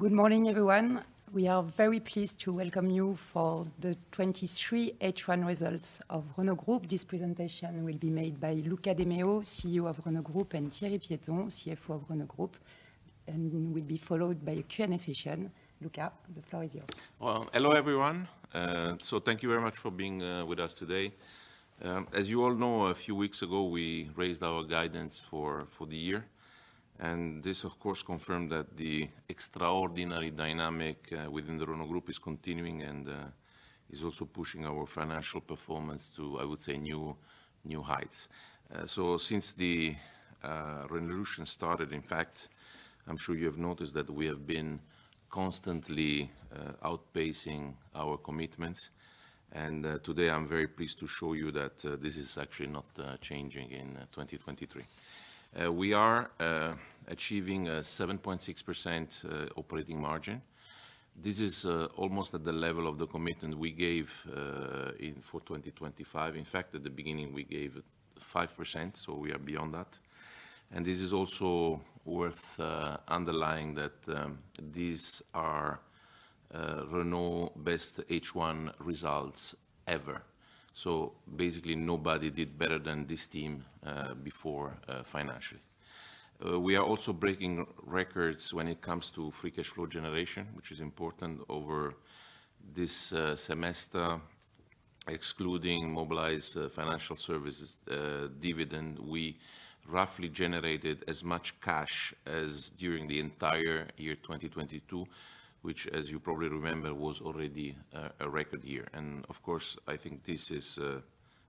Good morning, everyone. We are very pleased to welcome you for the 2023 H1 results of Renault Group. This presentation will be made by Luca de Meo, CEO of Renault Group, and Thierry Piéton, CFO of Renault Group, and will be followed by a Q&A session. Luca, the floor is yours. Well, hello, everyone. Thank you very much for being with us today. As you all know, a few weeks ago, we raised our guidance for the year, this of course, confirmed that the extraordinary dynamic within the Renault Group is continuing and is also pushing our financial performance to, I would say, new heights. Since the Renaulution started, in fact, I'm sure you have noticed that we have been constantly outpacing our commitments, today I'm very pleased to show you that this is actually not changing in 2023. We are achieving a 7.6% operating margin. This is almost at the level of the commitment we gave for 2025. In fact, at the beginning we gave 5%, so we are beyond that. This is also worth underlining that these are Renault's best H1 results ever. Basically, nobody did better than this team before financially. We are also breaking records when it comes to free cash flow generation, which is important over this semester. Excluding Mobilize Financial Services dividend, we roughly generated as much cash as during the entire year 2022, which, as you probably remember, was already a record year. Of course, I think this is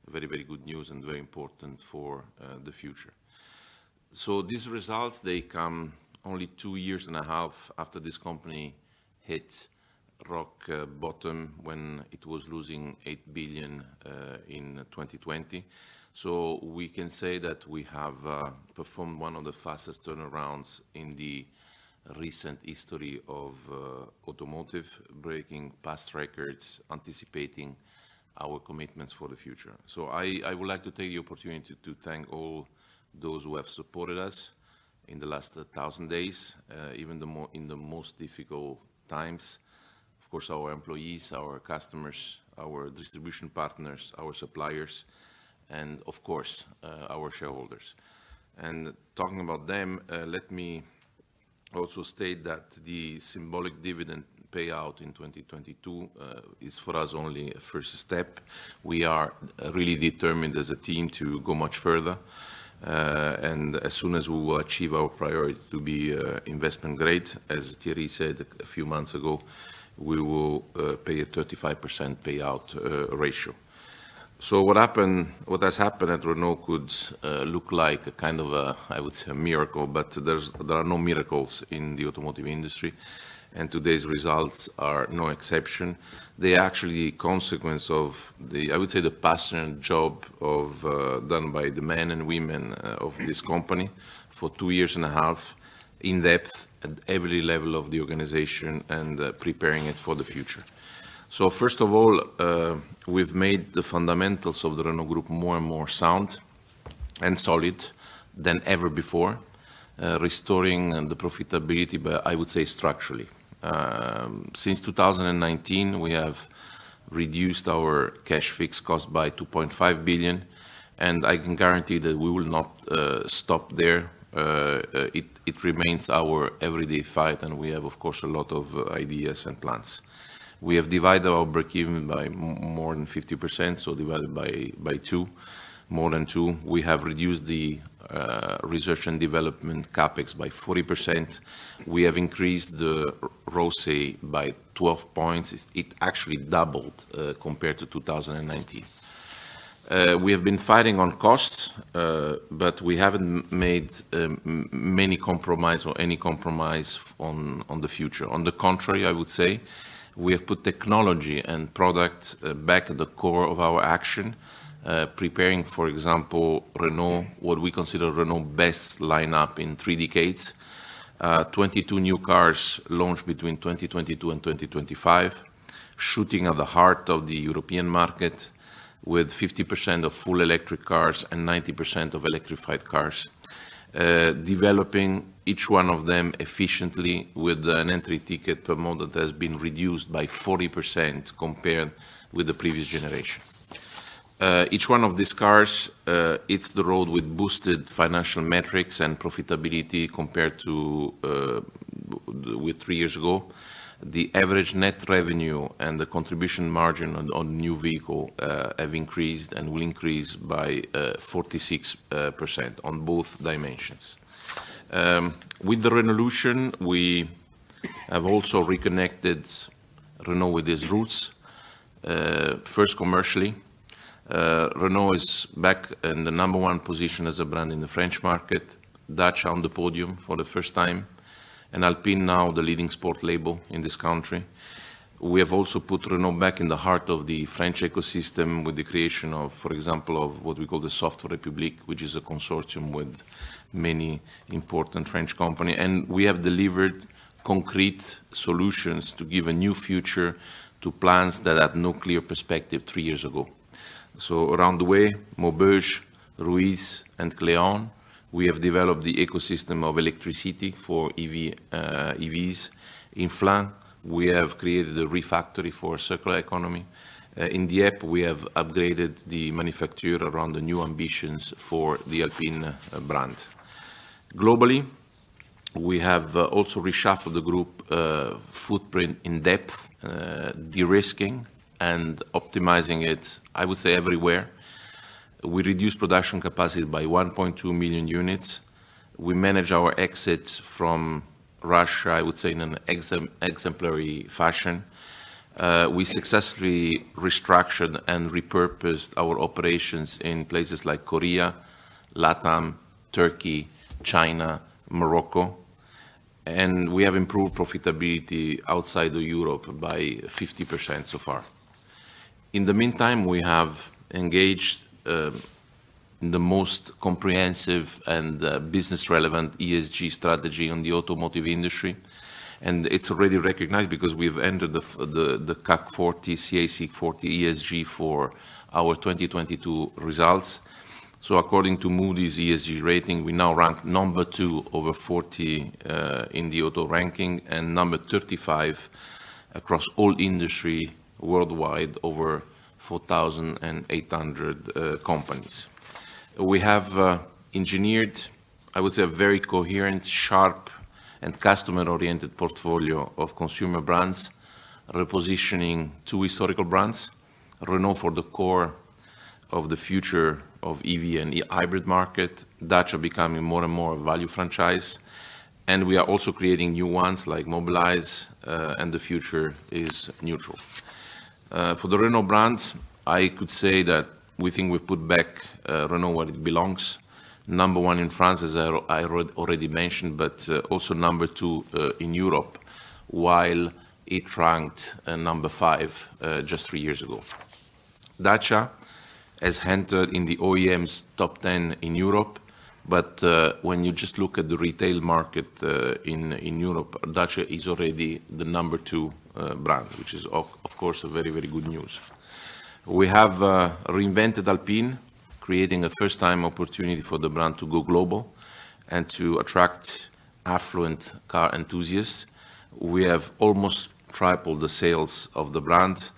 very, very good news and very important for the future. These results, they come only two years and a half after this company hit rock bottom, when it was losing 8 billion in 2020. We can say that we have performed one of the fastest turnarounds in the recent history of automotive, breaking past records, anticipating our commitments for the future. I would like to take the opportunity to thank all those who have supported us in the last 1,000 days, even the more, in the most difficult times. Of course, our employees, our customers, our distribution partners, our suppliers, and of course, our shareholders. Talking about them, let me also state that the symbolic dividend payout in 2022 is for us, only a first step. We are really determined as a team to go much further. As soon as we will achieve our priority to be investment grade, as Thierry said a few months ago, we will pay a 35% payout ratio. What has happened at Renault could look like a kind of a, I would say, a miracle, but there are no miracles in the automotive industry. Today's results are no exception. They are actually a consequence of the, I would say, the passionate job done by the men and women of this company for two years and a half, in depth at every level of the organization, preparing it for the future. First of all, we've made the fundamentals of the Renault Group more and more sound and solid than ever before, restoring the profitability, but I would say structurally. Since 2019, we have reduced our cash fixed cost by 2.5 billion. I can guarantee that we will not stop there. It remains our everyday fight, and we have, of course, a lot of ideas and plans. We have divided our breakeven by more than 50%, so divided by two, more than two. We have reduced the R&D CapEx by 40%. We have increased the ROCE by 12 points. It actually doubled compared to 2019. We have been fighting on costs, but we haven't made many compromise or any compromise on the future. On the contrary, I would say, we have put technology and products back at the core of our action. Preparing, for example, Renault, what we consider Renault best lineup in three decades. 22 new cars launched between 2022 and 2025, shooting at the heart of the European market with 50% of full electric cars and 90% of electrified cars. Developing each one of them efficiently with an entry ticket per month that has been reduced by 40% compared with the previous generation. Each one of these cars hits the road with boosted financial metrics and profitability compared to with three years ago. The average net revenue and the contribution margin on new vehicle, have increased and will increase by 46% on both dimensions. With the Renaulution, we have also reconnected Renault with its roots. First, commercially, Renault is back in the number 1 position as a brand in the French market, Dacia on the podium for the first time, Alpine now the leading sport label in this country. We have also put Renault back in the heart of the French ecosystem with the creation of, for example, of what we call the Software République, which is a consortium with many important French company. We have delivered concrete solutions to give a new future to plants that had no clear perspective three years ago. Around the way, Maubeuge, Ruitz, and Cléon, we have developed the ecosystem of electricity for EVs. In Flins, we have created a Refactory for circular economy. In Dieppe, we have upgraded the manufacture around the new ambitions for the Alpine brand. Globally, we have also reshuffled the Group footprint in depth, de-risking and optimizing it, I would say, everywhere. We reduced production capacity by 1.2 million units. We managed our exits from Russia, I would say, in an exemplary fashion. We successfully restructured and repurposed our operations in places like Korea, Latam, Turkey, China, Morocco, and we have improved profitability outside of Europe by 50% so far. In the meantime, we have engaged in the most comprehensive and business-relevant ESG strategy on the automotive industry, and it's already recognized because we've entered the CAC 40, CAC 40, ESG for our 2022 results. According to Moody's ESG rating, we now rank number two over 40 in the auto ranking, and number 35 across all industry worldwide, over 4,800 companies. We have engineered, I would say, a very coherent, sharp, and customer-oriented portfolio of consumer brands, repositioning two historical brands: Renault for the core of the future of EV and E- hybrid market; Dacia becoming more and more a value franchise. We are also creating new ones like Mobilize and The Future is NEUTRAL. For the Renault brand, I could say that we think we've put back Renault where it belongs, number one in France, as I already mentioned, but also number two in Europe, while it ranked number five just three years ago. Dacia has entered in the OEM's top ten in Europe, but when you just look at the retail market in Europe, Dacia is already the number two brand, which is of course a very, very good news. We have reinvented Alpine, creating a first-time opportunity for the brand to go global and to attract affluent car enthusiasts. We have almost tripled the sales of the brand.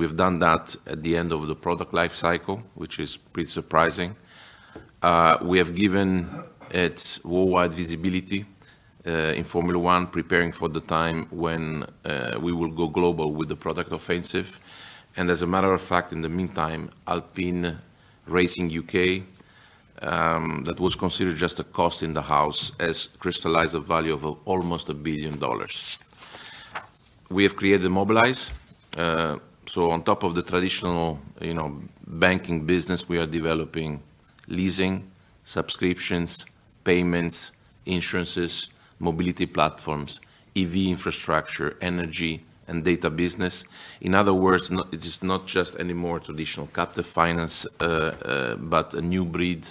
We've done that at the end of the product life cycle, which is pretty surprising. We have given it worldwide visibility in Formula One, preparing for the time when we will go global with the product offensive. As a matter of fact, in the meantime, Alpine Racing UK, that was considered just a cost in the house, has crystallized a value of almost a billion dollars. We have created Mobilize. On top of the traditional, you know, banking business, we are developing leasing, subscriptions, payments, insurances, mobility platforms, EV infrastructure, energy, and data business. In other words, not, it is not just any more traditional captive finance, but a new breed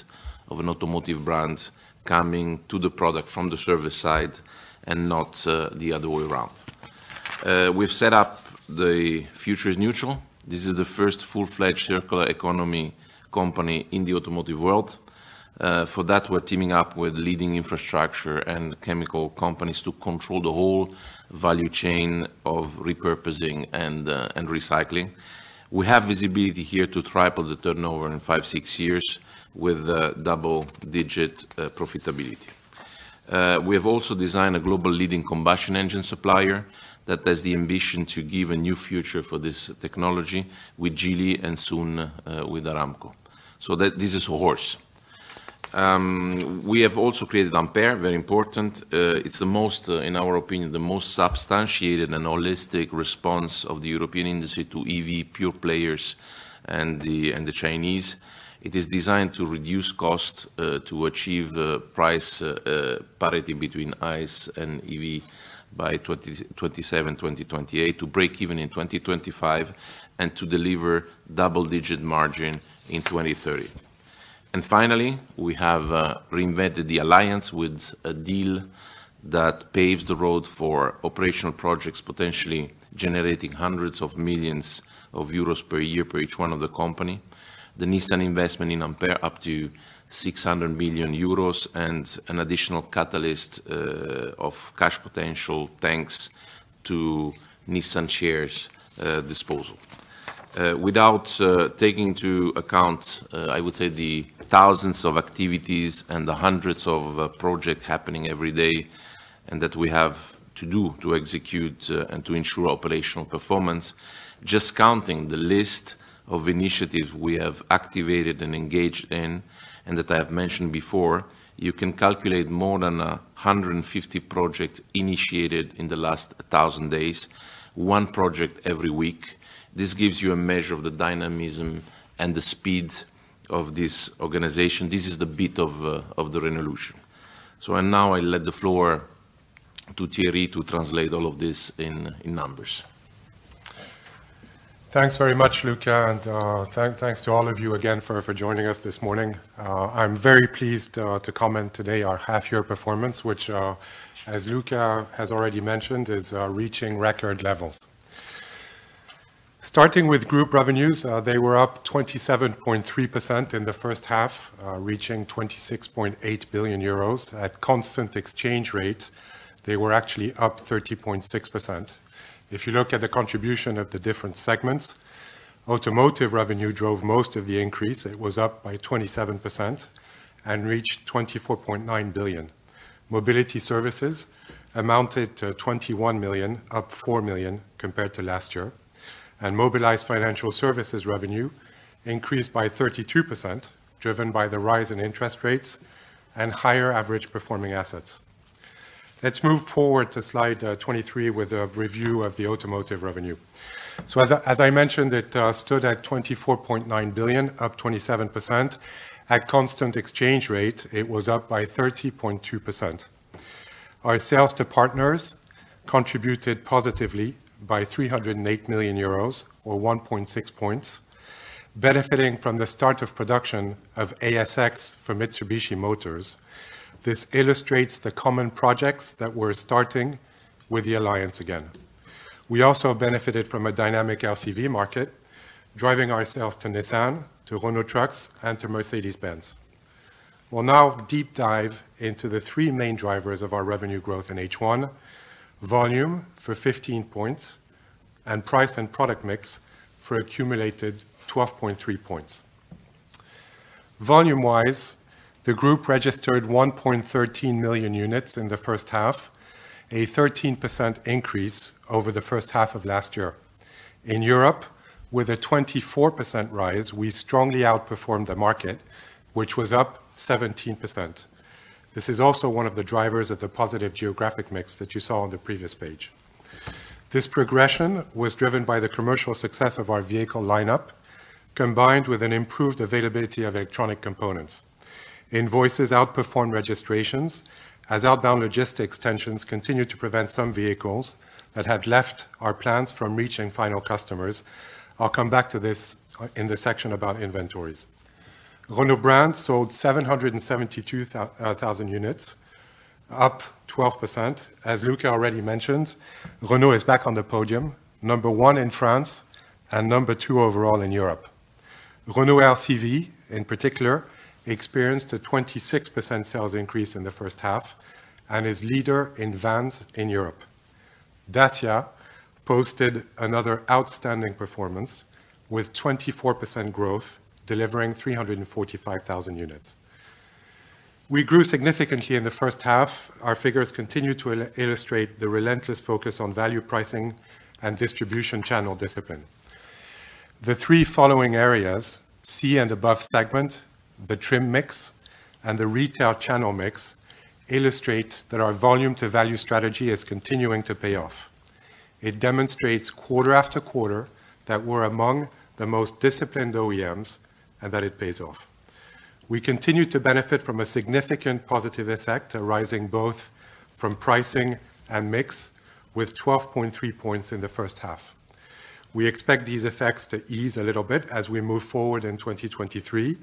of an automotive brand coming to the product from the service side and not the other way around. We've set up The Future is NEUTRAL. This is the first full-fledged circular economy company in the automotive world. For that, we're teaming up with leading infrastructure and chemical companies to control the whole value chain of repurposing and recycling. We have visibility here to triple the turnover in five, six years with double-digit profitability. We have also designed a global leading combustion engine supplier that has the ambition to give a new future for this technology with Geely and soon with Aramco. That, this is a Horse. We have also created Ampere, very important. It's the most, in our opinion, the most substantiated and holistic response of the European industry to EV pure players and the Chinese. It is designed to reduce cost to achieve the price parity between ICE and EV by 2027, 2028, to break even in 2025, and to deliver double-digit margin in 2030. Finally, we have reinvented the alliance with a deal that paves the road for operational projects, potentially generating hundreds of millions of EUR per year for each one of the company. The Nissan investment in Ampere up to 600 million euros, an additional catalyst of cash potential, thanks to Nissan shares disposal. Without taking into account, I would say, the thousands of activities and the hundreds of project happening every day, and that we have to do to execute and to ensure operational performance, just counting the list of initiatives we have activated and engaged in, and that I have mentioned before, you can calculate more than 150 projects initiated in the last 1,000 days, one project every week. This gives you a measure of the dynamism and the speed of this organization. This is the beat of the Renaulution. Now I let the floor to Thierry to translate all of this in numbers. Thanks very much, Luca, and thanks to all of you again for joining us this morning. I'm very pleased to comment today our half-year performance, which as Luca has already mentioned, is reaching record levels. Starting with group revenues, they were up 27.3% in the first half, reaching 26.8 billion euros. At constant exchange rate, they were actually up 30.6%. If you look at the contribution of the different segments, automotive revenue drove most of the increase. It was up by 27% and reached 24.9 billion. Mobility services amounted to 21 million, up 4 million compared to last year. Mobilize Financial Services revenue increased by 32%, driven by the rise in interest rates and higher average performing assets. Let's move forward to slide 23 with a review of the automotive revenue. As I mentioned, it stood at 24.9 billion, up 27%. At constant exchange rate, it was up by 30.2%. Our sales to partners contributed positively by 308 million euros or 1.6 points, benefiting from the start of production of ASX for Mitsubishi Motors. This illustrates the common projects that we're starting with the alliance again. We also benefited from a dynamic LCV market, driving our sales to Nissan, to Renault Trucks, and to Mercedes-Benz. We'll now deep dive into the three main drivers of our revenue growth in H1. Volume for 15 points, and price and product mix for accumulated 12.3 points. Volume-wise, the group registered 1.13 million units in the first half, a 13% increase over the first half of last year. In Europe, with a 24% rise, we strongly outperformed the market, which was up 17%. This is also one of the drivers of the positive geographic mix that you saw on the previous page. This progression was driven by the commercial success of our vehicle lineup, combined with an improved availability of electronic components. Invoices outperformed registrations as outbound logistics tensions continued to prevent some vehicles that had left our plants from reaching final customers. I'll come back to this in the section about inventories. Renault Brand sold 772,000 units, up 12%. As Luca already mentioned, Renault is back on the podium, number one in France and number two overall in Europe. Renault LCV, in particular, experienced a 26% sales increase in the first half and is leader in vans in Europe. Dacia posted another outstanding performance with 24% growth, delivering 345,000 units. We grew significantly in the first half. Our figures continue to illustrate the relentless focus on value pricing and distribution channel discipline. The three following areas, C and above segment, the trim mix, and the retail channel mix, illustrate that our volume to value strategy is continuing to pay off. It demonstrates quarter after quarter that we're among the most disciplined OEMs and that it pays off. We continue to benefit from a significant positive effect arising both from pricing and mix with 12.3 points in the first half. We expect these effects to ease a little bit as we move forward in 2023,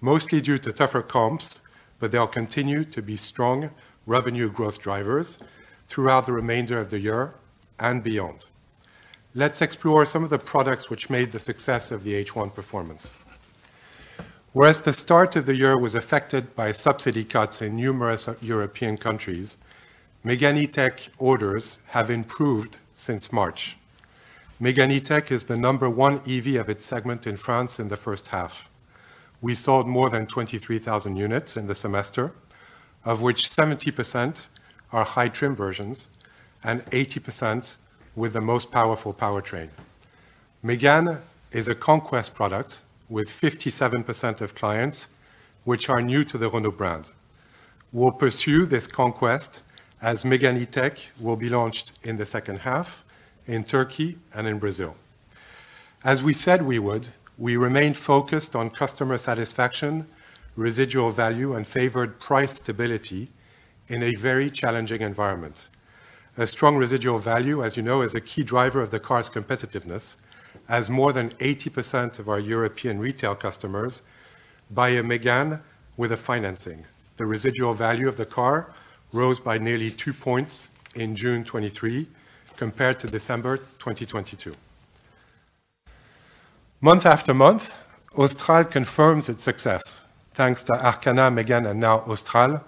mostly due to tougher comps, but they'll continue to be strong revenue growth drivers throughout the remainder of the year and beyond. Let's explore some of the products which made the success of the H1 performance. Whereas the start of the year was affected by subsidy cuts in numerous European countries, Mégane E-TECH orders have improved since March. Mégane E-TECH is the number one EV of its segment in France in the first half. We sold more than 23,000 units in the semester, of which 70% are high trim versions and 80% with the most powerful powertrain. Mégane is a conquest product with 57% of clients, which are new to the Renault brand. We'll pursue this conquest as Mégane E-Tech will be launched in the second half in Turkey and in Brazil. As we said we would, we remain focused on customer satisfaction, residual value, and favored price stability in a very challenging environment. A strong residual value, as you know, is a key driver of the car's competitiveness, as more than 80% of our European retail customers buy a Mégane with a financing. The residual value of the car rose by nearly two points in June 2023 compared to December 2022. Month after month, Austral confirms its success. Thanks to Arkana, Mégane, and now Austral,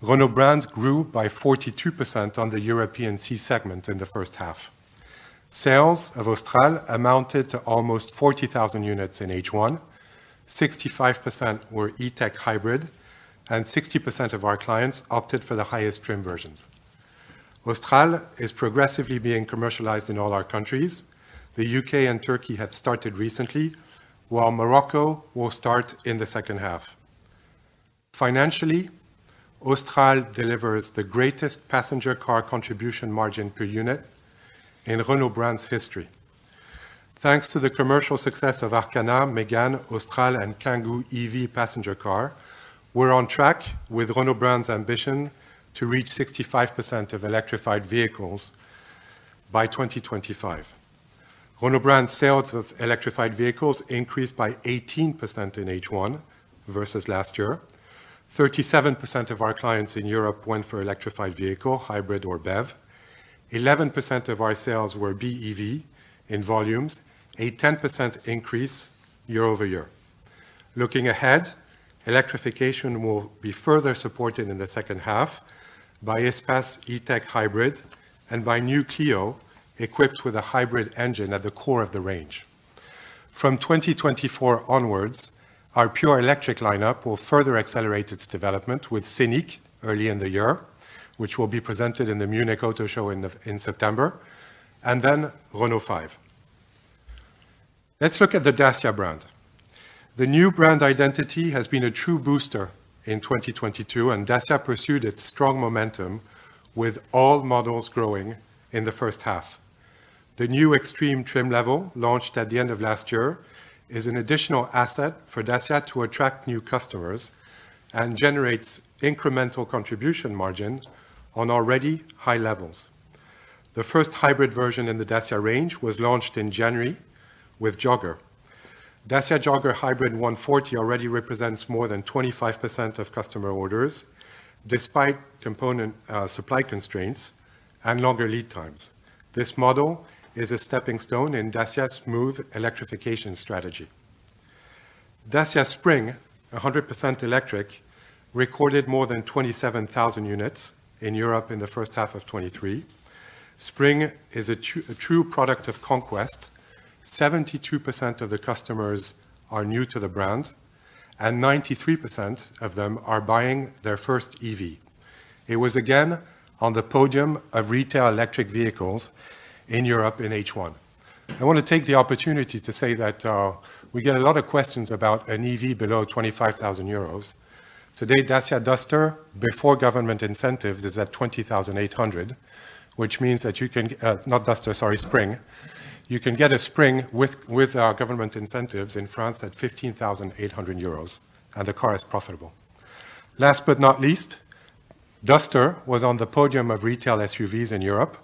Renault Brands grew by 42% on the European C-segment in the first half. Sales of Austral amounted to almost 40,000 units in H1, 65% were E-TECH Hybrid, and 60% of our clients opted for the highest trim versions. Austral is progressively being commercialized in all our countries. The U.K. and Turkey have started recently, while Morocco will start in the second half. Financially, Austral delivers the greatest passenger car contribution margin per unit in Renault Brand's history. Thanks to the commercial success of Arkana, Mégane, Austral, and Kangoo EV passenger car, we're on track with Renault Brand's ambition to reach 65% of electrified vehicles by 2025. Renault Brand sales of electrified vehicles increased by 18% in H1 versus last year. 37% of our clients in Europe went for electrified vehicle, hybrid or BEV. 11% of our sales were BEV in volumes, a 10% increase year-over-year. Looking ahead, electrification will be further supported in the second half by Espace E-Tech Hybrid and by New Clio, equipped with a hybrid engine at the core of the range. From 2024 onwards, our pure electric lineup will further accelerate its development with Scenic early in the year, which will be presented in the Munich Auto Show in September, then Renault 5. Let's look at the Dacia brand. The new brand identity has been a true booster in 2022. Dacia pursued its strong momentum with all models growing in the first half. The new Extreme trim level, launched at the end of last year, is an additional asset for Dacia to attract new customers and generates incremental contribution margin on already high levels. The first hybrid version in the Dacia range was launched in January with Jogger. Dacia Jogger Hybrid 140 already represents more than 25% of customer orders, despite component supply constraints and longer lead times. This model is a stepping stone in Dacia's smooth electrification strategy. Dacia Spring, 100% electric, recorded more than 27,000 units in Europe in the first half of 2023. Spring is a true product of conquest. 72% of the customers are new to the brand, and 93% of them are buying their first EV. It was again on the podium of retail electric vehicles in Europe in H1. I want to take the opportunity to say that we get a lot of questions about an EV below 25,000 euros. Today, Dacia Duster, before government incentives, is at 20,800, which means that you can. Not Duster, sorry, Spring. You can get a Spring with our government incentives in France at 15,800 euros, and the car is profitable. Last but not least, Duster was on the podium of retail SUVs in Europe.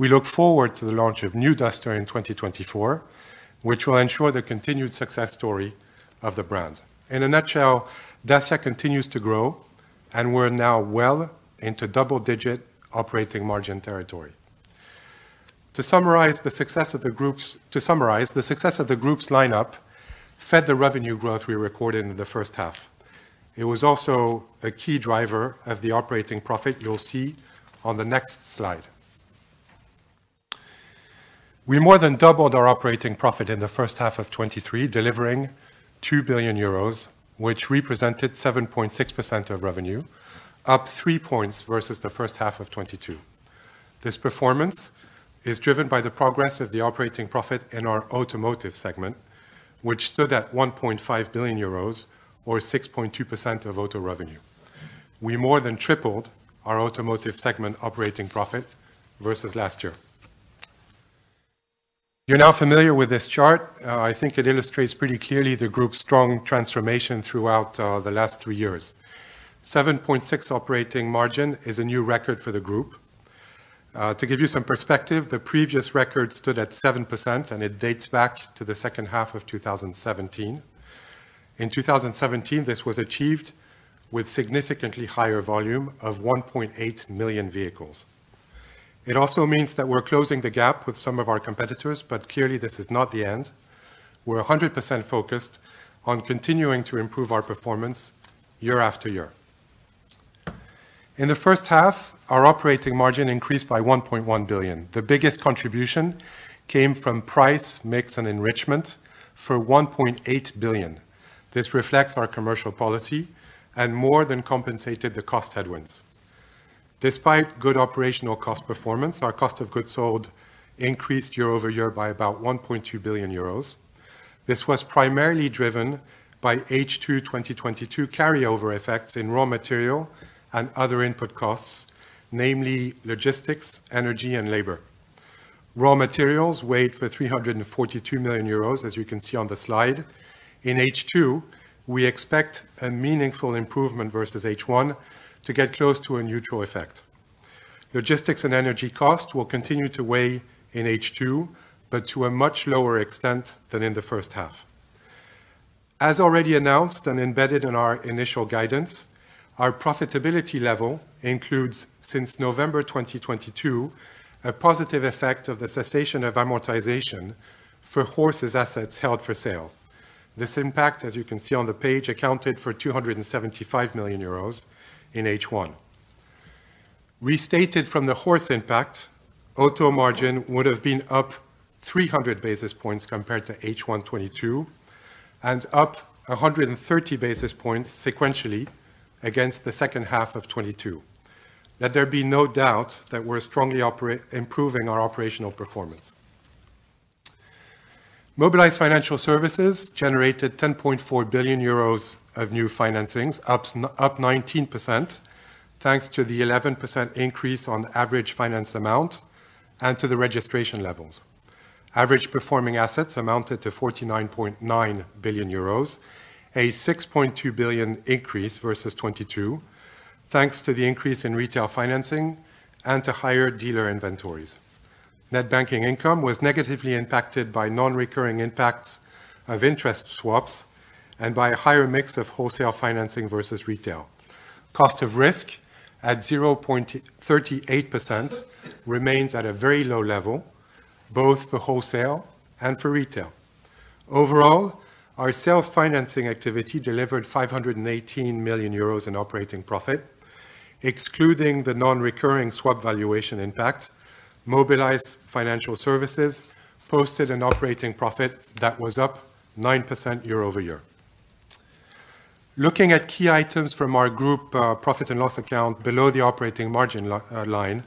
We look forward to the launch of New Duster in 2024, which will ensure the continued success story of the brand. In a nutshell, Dacia continues to grow, and we're now well into double-digit operating margin territory. To summarize, the success of the group's lineup fed the revenue growth we recorded in the first half. It was also a key driver of the operating profit you'll see on the next slide. We more than doubled our operating profit in the first half of 2023, delivering 2 billion euros, which represented 7.6% of revenue, up three points versus the first half of 2022. This performance is driven by the progress of the operating profit in our automotive segment, which stood at 1.5 billion euros or 6.2% of auto revenue. We more than tripled our automotive segment operating profit versus last year. You're now familiar with this chart. I think it illustrates pretty clearly the Group's strong transformation throughout the last three years. 7.6% operating margin is a new record for the Group. To give you some perspective, the previous record stood at 7%, and it dates back to the second half of 2017. In 2017, this was achieved with significantly higher volume of 1.8 million vehicles. It also means that we're closing the gap with some of our competitors, but clearly, this is not the end. We're 100% focused on continuing to improve our performance year after year. In the first half, our operating margin increased by 1.1 billion. The biggest contribution came from price, mix, and enrichment for 1.8 billion. This reflects our commercial policy and more than compensated the cost headwinds. Despite good operational cost performance, our cost of goods sold increased year-over-year by about 1.2 billion euros. This was primarily driven by H2 2022 carryover effects in raw material and other input costs, namely logistics, energy, and labor. Raw materials weighed for 342 million euros, as you can see on the slide. In H2, we expect a meaningful improvement versus H1 to get close to a neutral effect. Logistics and energy cost will continue to weigh in H2, but to a much lower extent than in the first half. As already announced and embedded in our initial guidance, our profitability level includes, since November 2022, a positive effect of the cessation of amortization for Horse's assets held for sale. This impact, as you can see on the page, accounted for 275 million euros in H1. Restated from the Horse impact, auto margin would have been up 300 basis points compared to H1 2022 and up 130 basis points sequentially against the second half of 2022. Let there be no doubt that we're strongly improving our operational performance. Mobilize Financial Services generated 10.4 billion euros of new financings, up 19%, thanks to the 11% increase on average finance amount and to the registration levels. Average performing assets amounted to 49.9 billion euros, a 6.2 billion increase versus 2022, thanks to the increase in retail financing and to higher dealer inventories. Net banking income was negatively impacted by non-recurring impacts of interest swaps and by a higher mix of wholesale financing versus retail. Cost of risk at 0.38% remains at a very low level, both for wholesale and for retail. Overall, our sales financing activity delivered 518 million euros in operating profit, excluding the non-recurring swap valuation impact. Mobilize Financial Services posted an operating profit that was up 9% year-over-year. Looking at key items from our group, profit and loss account below the operating margin line,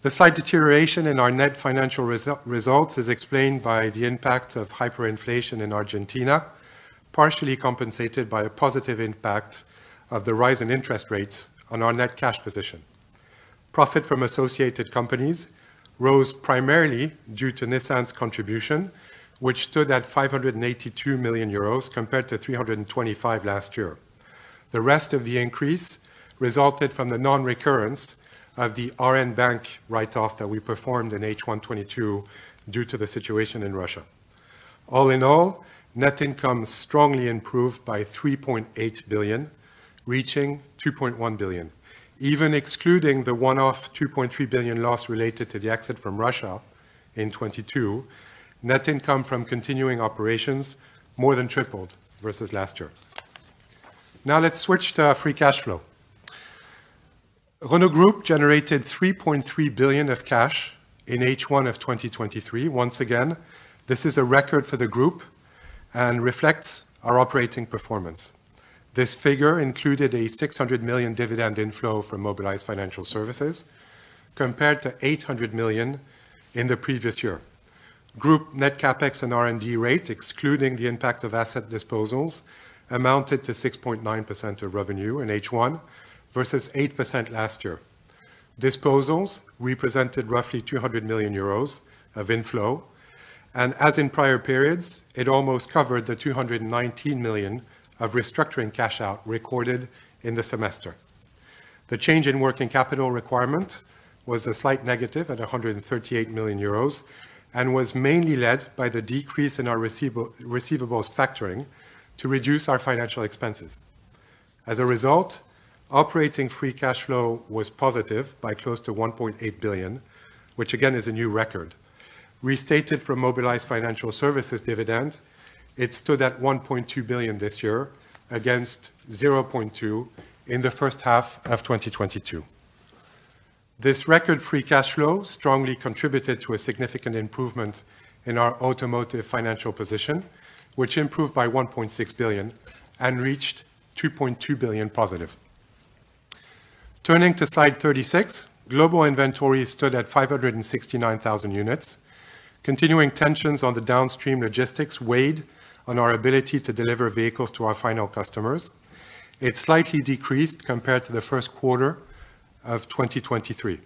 the slight deterioration in our net financial results is explained by the impact of hyperinflation in Argentina, partially compensated by a positive impact of the rise in interest rates on our net cash position. Profit from associated companies rose primarily due to Nissan's contribution, which stood at 582 million euros, compared to 325 million last year. The rest of the increase resulted from the non-recurrence of the RN Bank write-off that we performed in H1 2022 due to the situation in Russia. All in all, net income strongly improved by 3.8 billion, reaching 2.1 billion. Even excluding the one-off 2.3 billion loss related to the exit from Russia in 2022, net income from continuing operations more than tripled versus last year. Now let's switch to free cash flow. Renault Group generated 3.3 billion of cash in H1 of 2023. Once again, this is a record for the group and reflects our operating performance. This figure included a 600 million dividend inflow from Mobilize Financial Services, compared to 800 million in the previous year. Group net CapEx and R&D rate, excluding the impact of asset disposals, amounted to 6.9% of revenue in H1 versus 8% last year. Disposals represented roughly 200 million euros of inflow. As in prior periods, it almost covered the 219 million of restructuring cash out recorded in the semester. The change in working capital requirement was a slight negative at 138 million euros, was mainly led by the decrease in our receivables factoring to reduce our financial expenses. As a result, operating free cash flow was positive by close to 1.8 billion, which again, is a new record. Restated from Mobilize Financial Services dividend, it stood at 1.2 billion this year, against 0.2 billion in the first half of 2022. This record-free cash flow strongly contributed to a significant improvement in our automotive financial position, which improved by 1.6 billion and reached 2.2 billion positive. Turning to slide 36, global inventory stood at 569,000 units. Continuing tensions on the downstream logistics weighed on our ability to deliver vehicles to our final customers. It slightly decreased compared to the first quarter of 2023.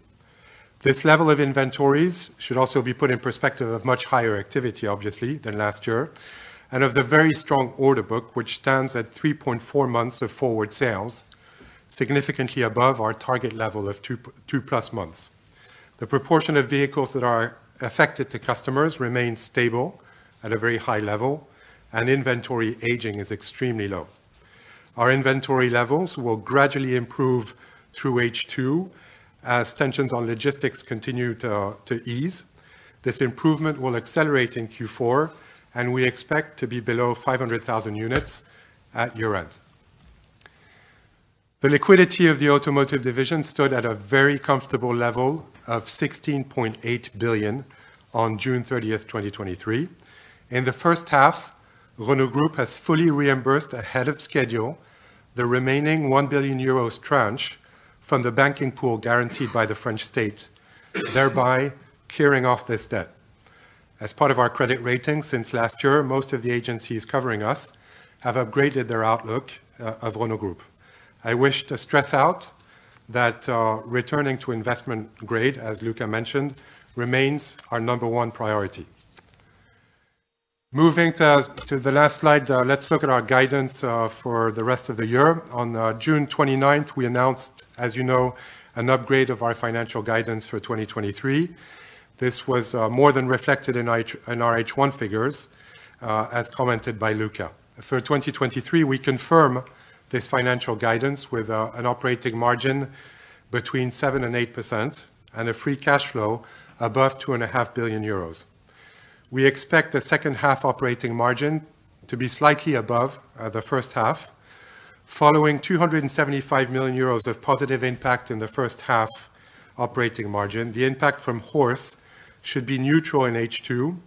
This level of inventories should also be put in perspective of much higher activity, obviously, than last year, and of the very strong order book, which stands at 3.4 months of forward sales, significantly above our target level of 2+ months. The proportion of vehicles that are affected to customers remains stable at a very high level, and inventory aging is extremely low. Our inventory levels will gradually improve through H2 as tensions on logistics continue to ease. This improvement will accelerate in Q4, and we expect to be below 500,000 units at year-end. The liquidity of the automotive division stood at a very comfortable level of 16.8 billion on June thirtieth, 2023. In the first half, Renault Group has fully reimbursed ahead of schedule, the remaining 1 billion euros tranche from the banking pool guaranteed by the French state, thereby clearing off this debt. As part of our credit rating since last year, most of the agencies covering us have upgraded their outlook of Renault Group. I wish to stress out that returning to investment grade, as Luca mentioned, remains our number one priority. Moving to the last slide, let's look at our guidance for the rest of the year. On June 29th, we announced, as you know, an upgrade of our financial guidance for 2023. This was more than reflected in our H1 figures, as commented by Luca. For 2023, we confirm this financial guidance with an operating margin between 7% and 8% and a free cash flow above 2.5 billion euros. We expect the second half operating margin to be slightly above the first half, following 275 million euros of positive impact in the first half operating margin. The impact from HORSE should be neutral in H2.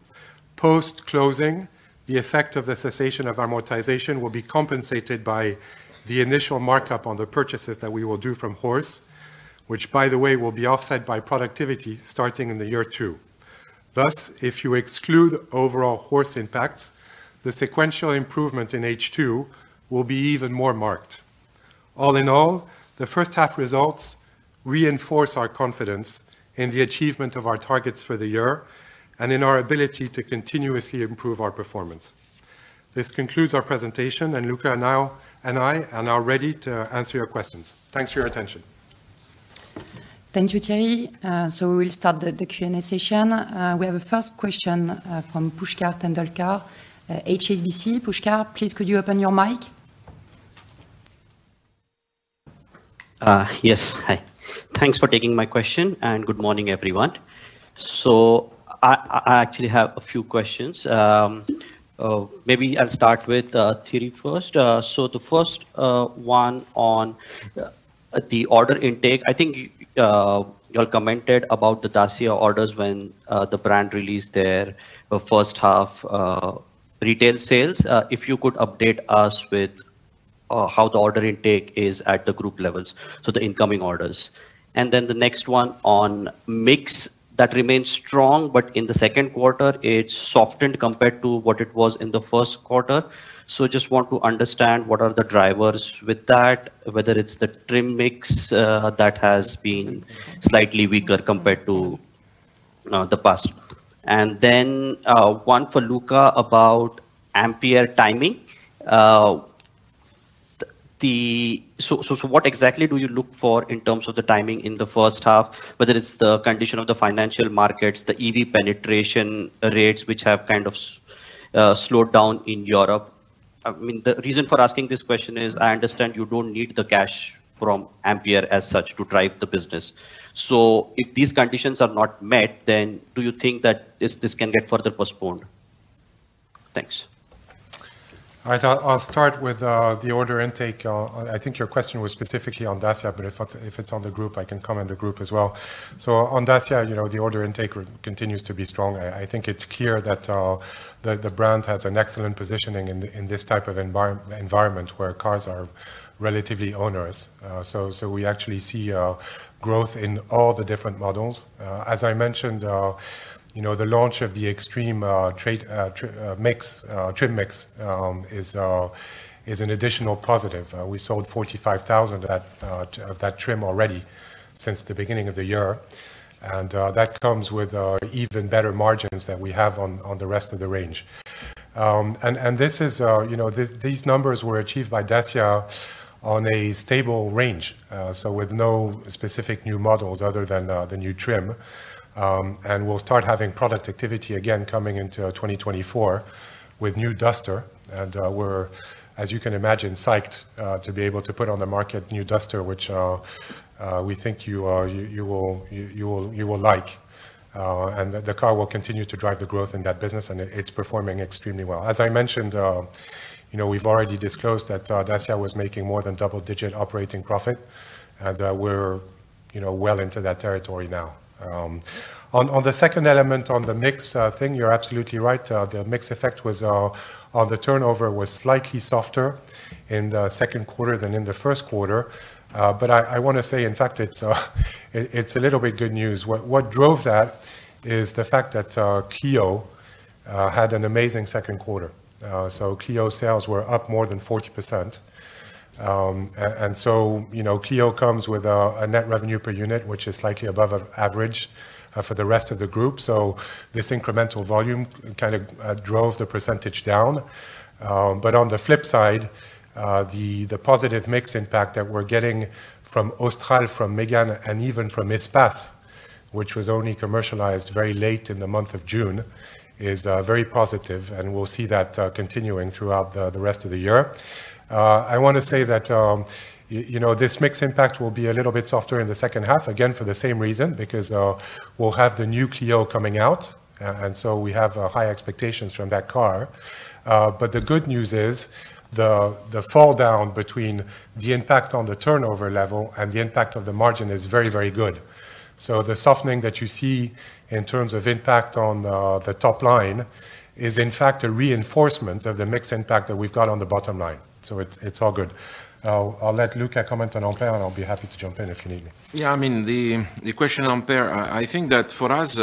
Post-closing, the effect of the cessation of amortization will be compensated by the initial markup on the purchases that we will do from HORSE, which, by the way, will be offset by productivity starting in the year two. Thus, if you exclude overall HORSE impacts, the sequential improvement in H2 will be even more marked. All in all, the first half results reinforce our confidence in the achievement of our targets for the year and in our ability to continuously improve our performance. This concludes our presentation, and Luca now, and I are now ready to answer your questions. Thanks for your attention. Thank you, Thierry Piéton. We will start the Q&A session. We have a first question, from Pushkar Tendolkar, HSBC. Pushkar, please, could you open your mic? Yes. Hi. Thanks for taking my question, and good morning, everyone. I actually have a few questions. Maybe I'll start with Thierry first. The first one on the order intake, I think you all commented about the Dacia orders when the brand released their first half retail sales. If you could update us with how the order intake is at the group levels, so the incoming orders. The next one on mix, that remains strong, but in the second quarter, it softened compared to what it was in the first quarter. Just want to understand what are the drivers with that, whether it's the trim mix that has been slightly weaker compared to the past. One for Luca about Ampere timing. What exactly do you look for in terms of the timing in the first half, whether it's the condition of the financial markets, the EV penetration rates, which have kind of slowed down in Europe? I mean, the reason for asking this question is, I understand you don't need the cash from Ampere as such to drive the business. If these conditions are not met, then do you think that this can get further postponed? Thanks. All right. I'll start with the order intake. I think your question was specifically on Dacia, but if it's on the group, I can comment the group as well. On Dacia, you know, the order intake continues to be strong. I think it's clear that the brand has an excellent positioning in this type of environment where cars are relatively onerous. We actually see growth in all the different models. As I mentioned, you know, the launch of the Extreme trim mix is an additional positive. We sold 45,000 of that trim already since the beginning of the year. That comes with even better margins that we have on the rest of the range. This is, you know, these numbers were achieved by Dacia on a stable range, so with no specific new models other than the new trim. We'll start having product activity again coming into 2024 with new Duster, we're, as you can imagine, psyched to be able to put on the market new Duster, which we think you will like. The car will continue to drive the growth in that business, it's performing extremely well. As I mentioned, you know, we've already disclosed that Dacia was making more than double-digit operating profit, we're, you know, well into that territory now. On the second element, on the mix thing, you're absolutely right. The mix effect was on the turnover was slightly softer in the second quarter than in the first quarter. I want to say, in fact, it's a little bit good news. What drove that is the fact that Clio had an amazing second quarter. Clio sales were up more than 40%. You know, Clio comes with a net revenue per unit, which is slightly above a average for the rest of the group. This incremental volume kind of drove the percentage down. On the flip side, the positive mix impact that we're getting from Austral, from Megane, and even from Espace, which was only commercialized very late in the month of June, is very positive, and we'll see that continuing throughout the rest of the year. I want to say that, you know, this mix impact will be a little bit softer in the second half, again, for the same reason, because we'll have the new Clio coming out, and so we have high expectations from that car. The good news is the fall down between the impact on the turnover level and the impact of the margin is very, very good. The softening that you see in terms of impact on the top line is, in fact, a reinforcement of the mix impact that we've got on the bottom line. It's, it's all good. I'll let Luca comment on Ampere, and I'll be happy to jump in if you need me. The question on Ampere, I think that for us,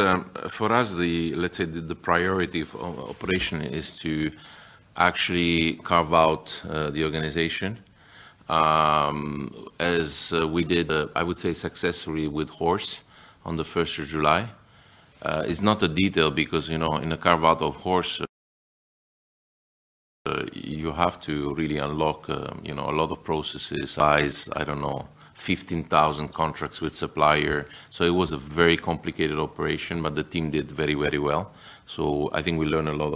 for us, the priority of operation is to actually carve out the organization as we did, I would say, successfully with Horse on the first of July. It's not a detail because, you know, in a carve out of Horse, you have to really unlock, you know, a lot of processes. Size, I don't know, 15,000 contracts with supplier. It was a very complicated operation, but the team did very, very well. I think we learned a lot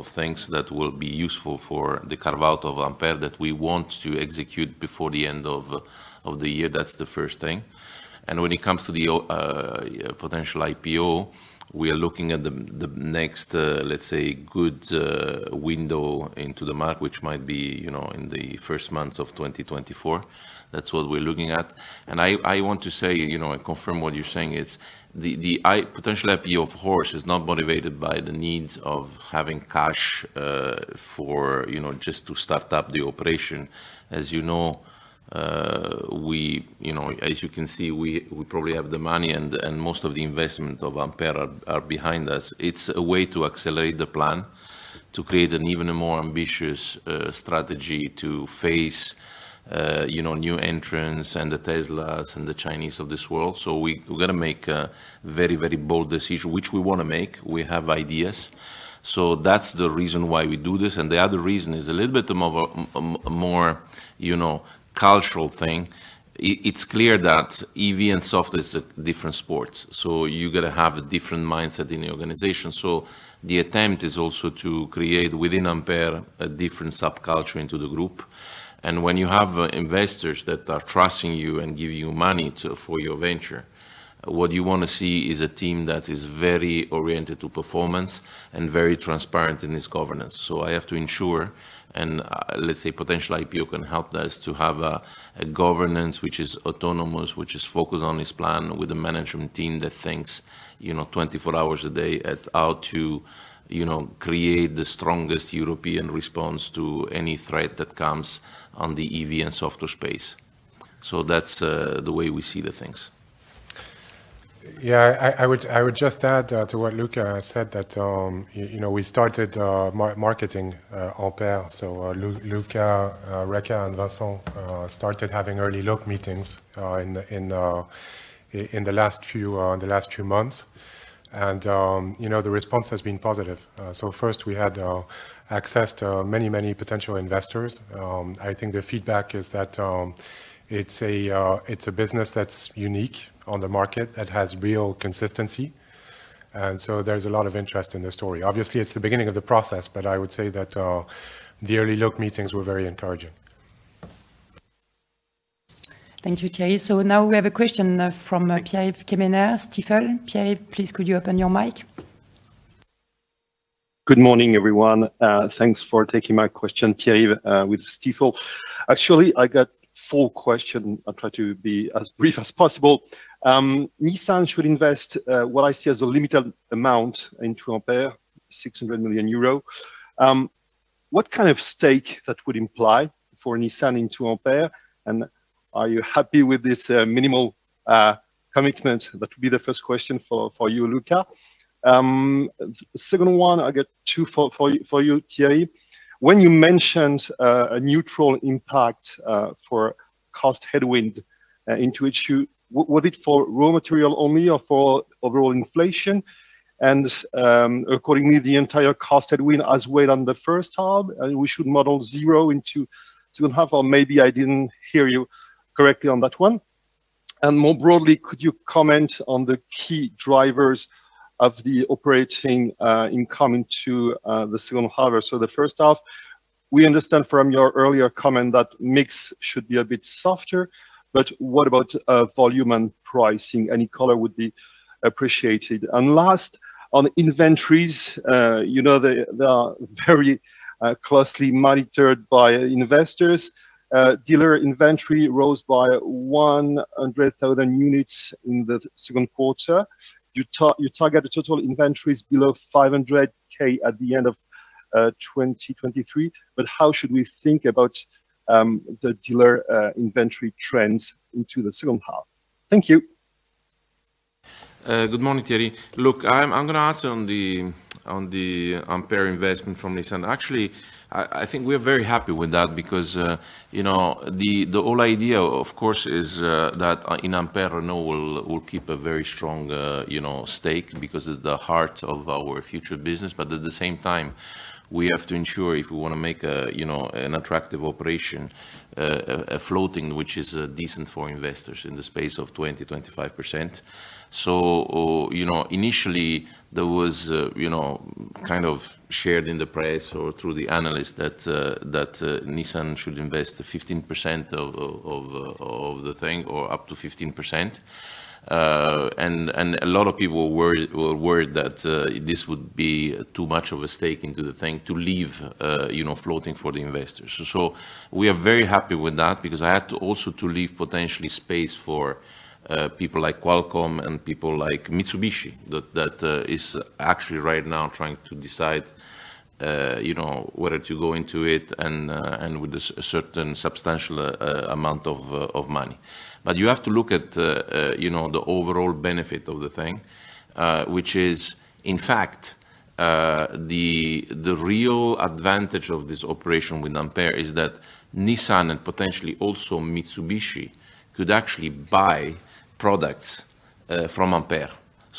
of things that will be useful for the carve out of Ampere that we want to execute before the end of the year. That's the first thing. When it comes to the potential IPO, we are looking at the next, let's say, good window into the market, which might be, you know, in the first months of 2024. That's what we're looking at. I want to say, you know, and confirm what you're saying, it's the potential IPO of Horse is not motivated by the needs of having cash for, you know, just to start up the operation. As you know, you know, as you can see, we probably have the money, and most of the investment of Ampere are behind us. It's a way to accelerate the plan, to create an even more ambitious strategy to face, you know, new entrants and the Teslas and the Chinese of this world. We're gonna make a very, very bold decision, which we wanna make. We have ideas. That's the reason why we do this, and the other reason is a little bit more., you know, cultural thing, it's clear that EV and software is a different sports, so you gotta have a different mindset in the organization. The attempt is also to create, within Ampere, a different subculture into the group and when you have investors that are trusting you and giving you money for your venture, what you want to see is a team that is very oriented to performance and very transparent in its governance. I have to ensure, and let's say potential IPO can help us to have a governance which is autonomous, which is focused on this plan, with a management team that thinks, you know, 24 hours a day at how to, you know, create the strongest European response to any threat that comes on the EV and software space. That's the way we see the things. Yeah, I would just add to what Luca said, that you know, we started marketing Ampere. Luca, Reka, and Vincent started having early look meetings in the last few months. You know, the response has been positive. First we had access to many potential investors. I think the feedback is that it's a business that's unique on the market, that has real consistency, there's a lot of interest in the story. Obviously, it's the beginning of the process, but I would say that the early look meetings were very encouraging. Thank you, Thierry. Now we have a question from Pierre-Yves Quemener, Stifel. Pierre, please, could you open your mic? Good morning, everyone. Thanks for taking my question. Pierre, with Stifel. Actually, I got four questions. I'll try to be as brief as possible. Nissan should invest, what I see as a limited amount into Ampere, 600 million euro. What kind of stake that would imply for Nissan into Ampere? Are you happy with this minimal commitment? That would be the first question for you, Luca. Second one, I got two for you, Thierry. When you mentioned a neutral impact for cost headwind, was it for raw material only or for overall inflation? Accordingly, the entire cost headwind as well on the first half, and we should model zero into second half, or maybe I didn't hear you correctly on that one. More broadly, could you comment on the key drivers of the operating income into the second half? The first half, we understand from your earlier comment that mix should be a bit softer, but what about volume and pricing? Any color would be appreciated. Last, on inventories, you know, they are very closely monitored by investors. Dealer inventory rose by 100,000 units in the second quarter. You target the total inventories below 500K at the end of 2023, but how should we think about the dealer inventory trends into the second half? Thank you. Good morning, Thierry. Look, I'm going to ask you on the Ampere investment from Nissan. Actually, I think we're very happy with that because, you know, the whole idea, of course, is that in Ampere, Renault will keep a very strong, you know, stake because it's the heart of our future business. At the same time, we have to ensure if we want to make a, you know, an attractive operation, a floating, which is decent for investors in the space of 20%-25%. Initially there was, you know, kind of shared in the press or through the analyst that Nissan should invest 15% of the thing, or up to 15%. A lot of people were worried that this would be too much of a stake into the thing to leave, you know, floating for the investors. We are very happy with that because I had to also to leave potentially space for people like Qualcomm and people like Mitsubishi, that is actually right now trying to decide, you know, whether to go into it and with a certain substantial amount of money. You have to look at, you know, the overall benefit of the thing, which is, in fact, the real advantage of this operation with Ampere is that Nissan and potentially also Mitsubishi, could actually buy products from Ampere.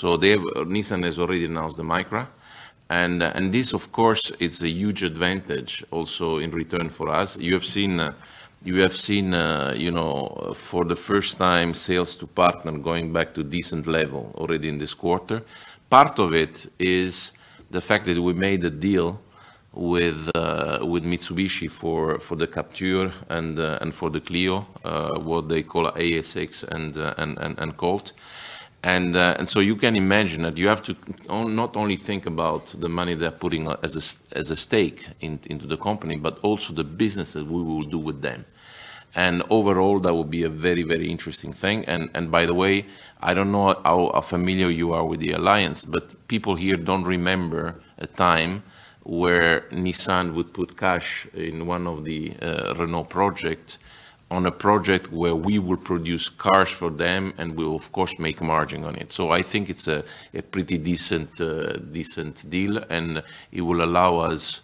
They've, Nissan has already announced the Micra, and this, of course, is a huge advantage also in return for us. You have seen, you have seen, you know, for the first time, sales to partner going back to decent level already in this quarter. Part of it is the fact that we made a deal with Mitsubishi for the Captur and for the Clio, what they call ASX and Colt. So you can imagine that you have to not only think about the money they're putting as a stake into the company, but also the business that we will do with them. Overall, that would be a very interesting thing. By the way, I don't know how familiar you are with the alliance, but people here don't remember a time where Nissan would put cash in one of the Renault project on a project where we would produce cars for them, and we will of course, make margin on it. I think it's a pretty decent deal, and it will allow us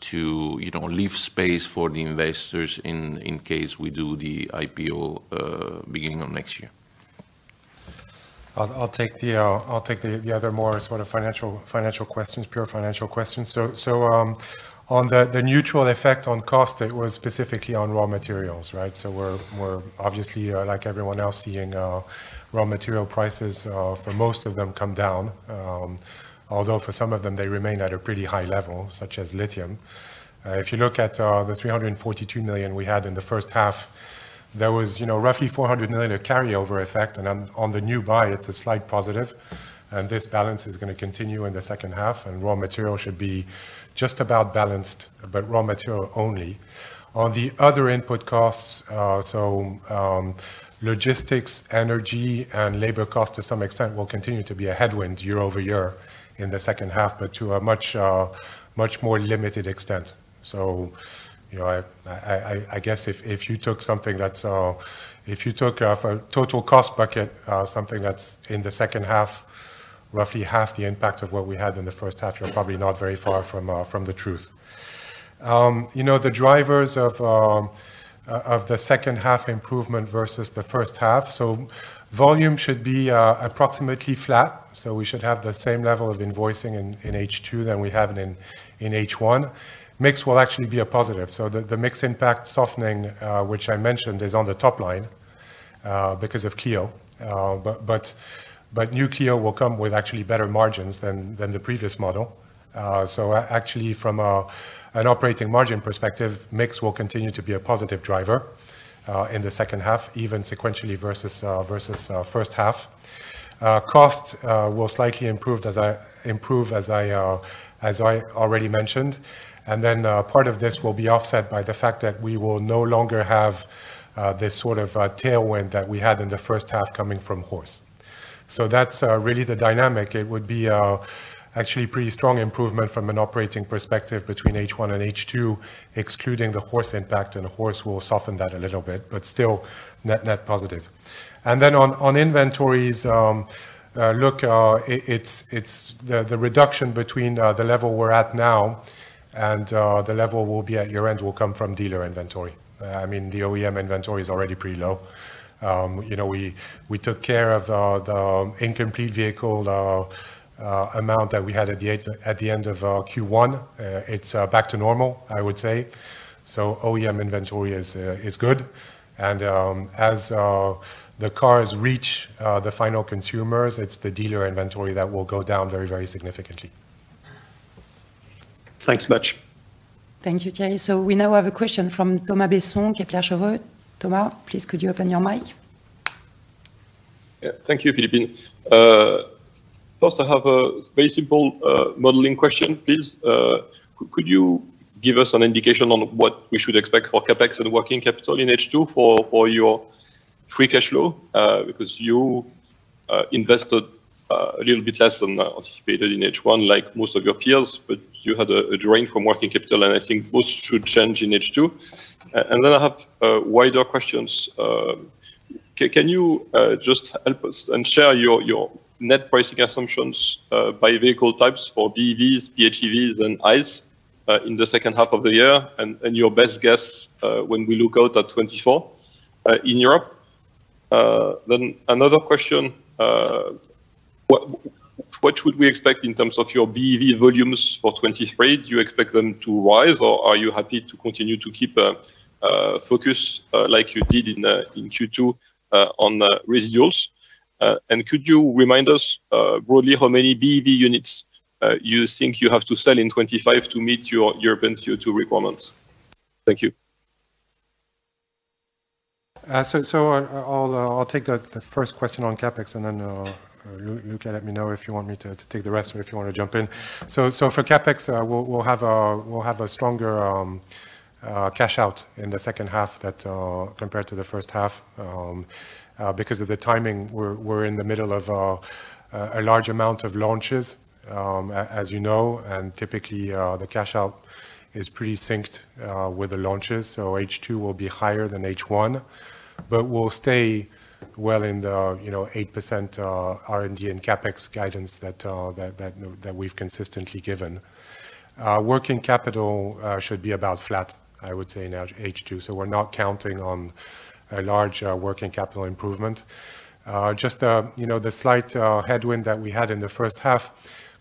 to, you know, leave space for the investors in case we do the IPO beginning of next year. I'll take the other more sort of financial questions, pure financial questions. On the neutral effect on cost, it was specifically on raw materials, right? We're obviously like everyone else, seeing raw material prices for most of them come down. Although for some of them, they remain at a pretty high level, such as lithium. If you look at the 342 million we had in the first half, there was, you know, roughly 400 million carryover effect. On the new buy, it's a slight positive, and this balance is going to continue in the second half, and raw material should be just about balanced, but raw material only. On the other input costs, logistics, energy, and labor cost to some extent will continue to be a headwind year over year in the second half, but to a much, much more limited extent. You know, I, I, guess if you took a total cost bucket, something that's in the second half, roughly half the impact of what we had in the first half, you're probably not very far from the truth. You know, the drivers of the second half improvement versus the first half, volume should be approximately flat, so we should have the same level of invoicing in H2 than we had in H1. Mix will actually be a positive. The mix impact softening, which I mentioned, is on the top line because of Clio. But new Clio will come with actually better margins than the previous model. Actually, from an operating margin perspective, mix will continue to be a positive driver in the second half, even sequentially versus first half. Cost will slightly improve as I already mentioned. Part of this will be offset by the fact that we will no longer have this sort of tailwind that we had in the first half coming from Horse. That's really the dynamic. It would be a actually pretty strong improvement from an operating perspective between H1 and H2, excluding the Horse impact, and Horse will soften that a little bit, but still net positive. On inventories, look, it's the reduction between the level we're at now and the level we'll be at year-end will come from dealer inventory. I mean, the OEM inventory is already pretty low. you know, we took care of the incomplete vehicle amount that we had at the end of Q1. It's back to normal, I would say. OEM inventory is good. As the cars reach the final consumers, it's the dealer inventory that will go down very, very significantly. Thanks much. Thank you,. We now have a question from Thomas Besson, Kepler Cheuvreux. Thomas, please, could you open your mic? Thank you, Philippine. First, I have a very simple modeling question, please. Could you give us an indication on what we should expect for CapEx and working capital in H2 for your free cash flow? Because you invested a little bit less than anticipated in H1, like most of your peers, but you had a drain from working capital, I think both should change in H2. Then I have wider questions. Can you just help us and share your net pricing assumptions by vehicle types for BEVs, PHEVs, and ICE in the second half of the year, and your best guess when we look out at 2024 in Europe? Another question, what should we expect in terms of your BEV volumes for 2023? Do you expect them to rise, or are you happy to continue to keep a focus, like you did in Q2, on residuals? Could you remind us, broadly, how many BEV units, you think you have to sell in 2025 to meet your European CO2 requirements? Thank you. I'll take the first question on CapEx, and then Luca, let me know if you want me to take the rest or if you want to jump in. For CapEx, we'll have a stronger cash out in the second half that compared to the first half because of the timing. We're in the middle of a large amount of launches, as you know, and typically the cash out is pretty synced with the launches. H2 will be higher than H1, but we'll stay well in the, you know, 8% R&D and CapEx guidance that we've consistently given. Working capital should be about flat, I would say, in H2. We're not counting on a large, working capital improvement. Just, you know, the slight headwind that we had in the first half,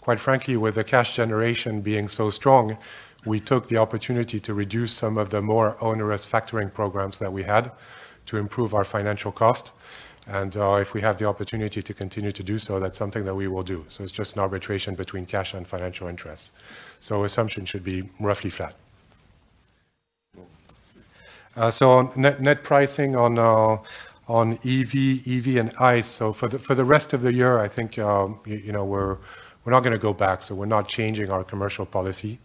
quite frankly, with the cash generation being so strong, we took the opportunity to reduce some of the more onerous factoring programs that we had to improve our financial cost. If we have the opportunity to continue to do so, that's something that we will do. It's just an arbitration between cash and financial interests. Assumption should be roughly flat. Net, net pricing on EV and ICE. For the rest of the year, I think, you know, we're not going to go back, so we're not changing our commercial policy.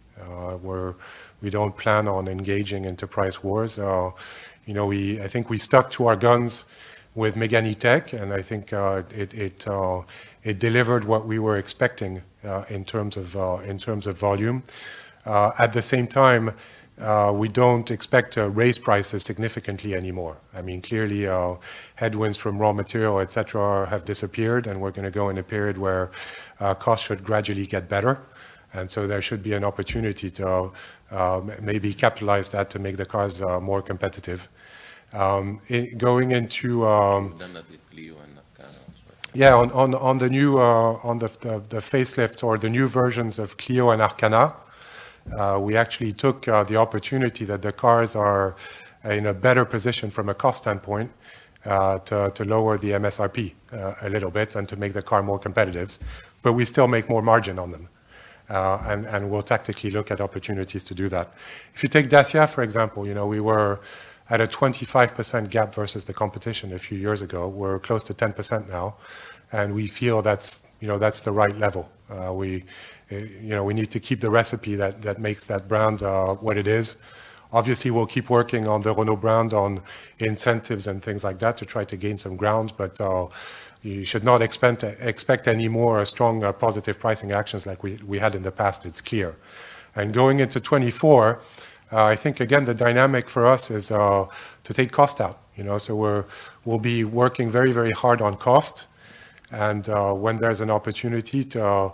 We don't plan on engaging enterprise wars. You know, we, I think we stuck to our guns with Mégane E-Tech, and I think, it delivered what we were expecting, in terms of volume. At the same time, we don't expect to raise prices significantly anymore. I mean, clearly, headwinds from raw material, et cetera, have disappeared, and we're going to go in a period where costs should gradually get better. There should be an opportunity to maybe capitalize that to make the cars more competitive. Going into, [inaudible] yeah, on the new, on the facelift or the new versions of Clio and Arkana, we actually took the opportunity that the cars are in a better position from a cost standpoint, to lower the MSRP a little bit and to make the car more competitive. We still make more margin on them. We'll tactically look at opportunities to do that. If you take Dacia, for example, you know, we were at a 25% gap versus the competition a few years ago. We're close to 10% now, and we feel that's, you know, that's the right level. We, you know, we need to keep the recipe that makes that brand what it is. Obviously, we'll keep working on the Renault brand, on incentives and things like that, to try to gain some ground, you should not expect any more strong positive pricing actions like we had in the past. It's clear. Going into 2024, I think, again, the dynamic for us is to take cost out, you know, so we'll be working very, very hard on cost, and when there's an opportunity to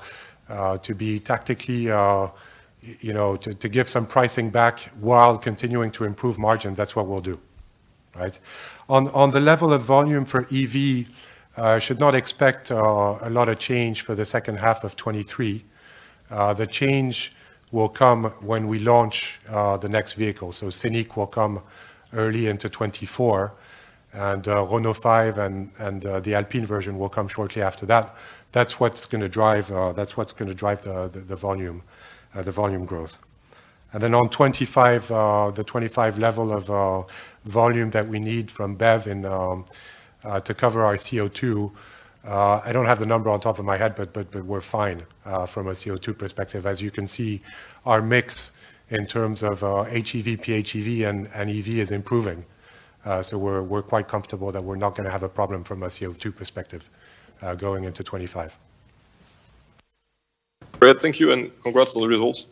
be tactically, you know, to give some pricing back while continuing to improve margin, that's what we'll do. Right? On the level of volume for EV, should not expect a lot of change for the second half of 2023. The change will come when we launch the next vehicle. Scenic will come early into 2024, and Renault 5 and the Alpine version will come shortly after that. That's what's gonna drive, that's what's gonna drive the volume, the volume growth. On 2025, the 25 level of volume that we need from BEV and to cover our CO2, I don't have the number on top of my head, but we're fine from a CO2 perspective. As you can see, our mix in terms of HEV, PHEV, and EV is improving. So we're quite comfortable that we're not gonna have a problem from a CO2 perspective going into 2025. Great. Thank you, and congrats on the results.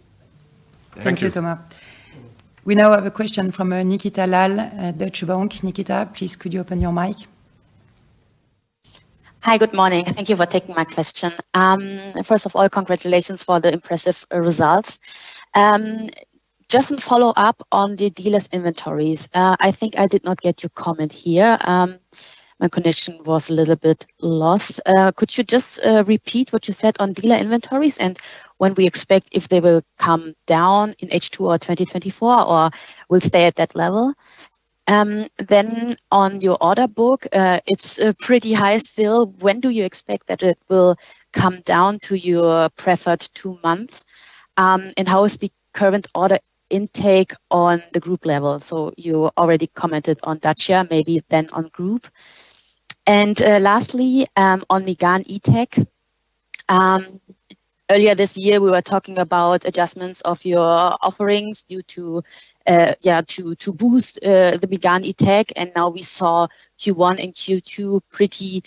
Thank you. Thank you, Thomas. We now have a question from Nikita Lal at Deutsche Bank. Nikita, please could you open your mic? Hi, good morning. Thank you for taking my question. First of all, congratulations for the impressive results. Just a follow-up on the dealers inventories, I think I did not get your comment here. My connection was a little bit lost. Could you just repeat what you said on dealer inventories, and when we expect if they will come down in H2 or 2024, or will stay at that level? On your order book, it's pretty high still. When do you expect that it will come down to your preferred two months? How is the current order intake on the group level? You already commented on that share, maybe then on group. Lastly, on Mégane E-Tech, earlier this year, we were talking about adjustments of your offerings due to boost the Megane E-Tech. We saw Q1 and Q2 pretty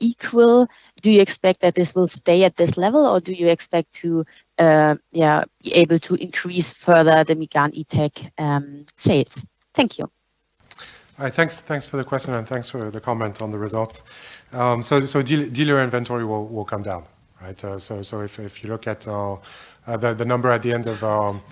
equal. Do you expect that this will stay at this level, or do you expect to be able to increase further the Megane E-Tech sales? Thank you. All right, thanks for the question, and thanks for the comment on the results. Dealer inventory will come down, right? If you look at the number at the end of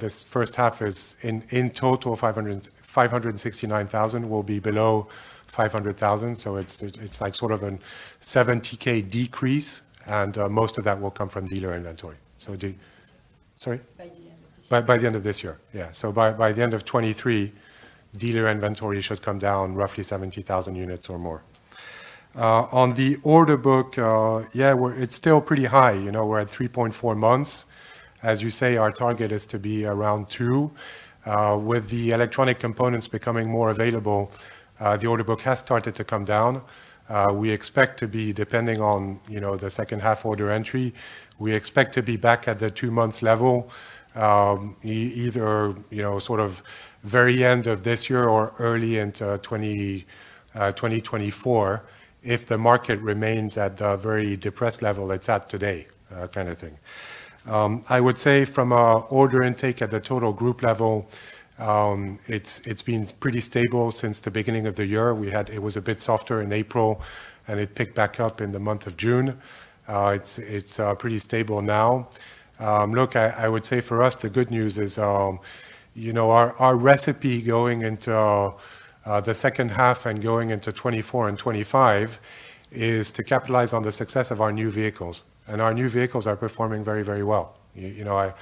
this first half is in total 569,000 will be below 500,000. It's like sort of a 70K decrease, and most of that will come from dealer inventory. Sorry? By the end of this year. By the end of this year. Yeah. By the end of 2023, dealer inventory should come down roughly 70,000 units or more. On the order book, yeah, it's still pretty high. You know, we're at 3.4 months. As you say, our target is to be around two. With the electronic components becoming more available, the order book has started to come down. We expect to be, depending on, you know, the second half order entry, we expect to be back at the two months level, either, you know, sort of very end of this year or early into 2024, if the market remains at the very depressed level it's at today, kind of thing. I would say from a order intake at the total group level, it's been pretty stable since the beginning of the year. It was a bit softer in April, it picked back up in the month of June. It's pretty stable now. Look, I would say for us, the good news is, you know, our recipe going into the second half and going into 2024 and 2025 is to capitalize on the success of our new vehicles, our new vehicles are performing very, very well. You know,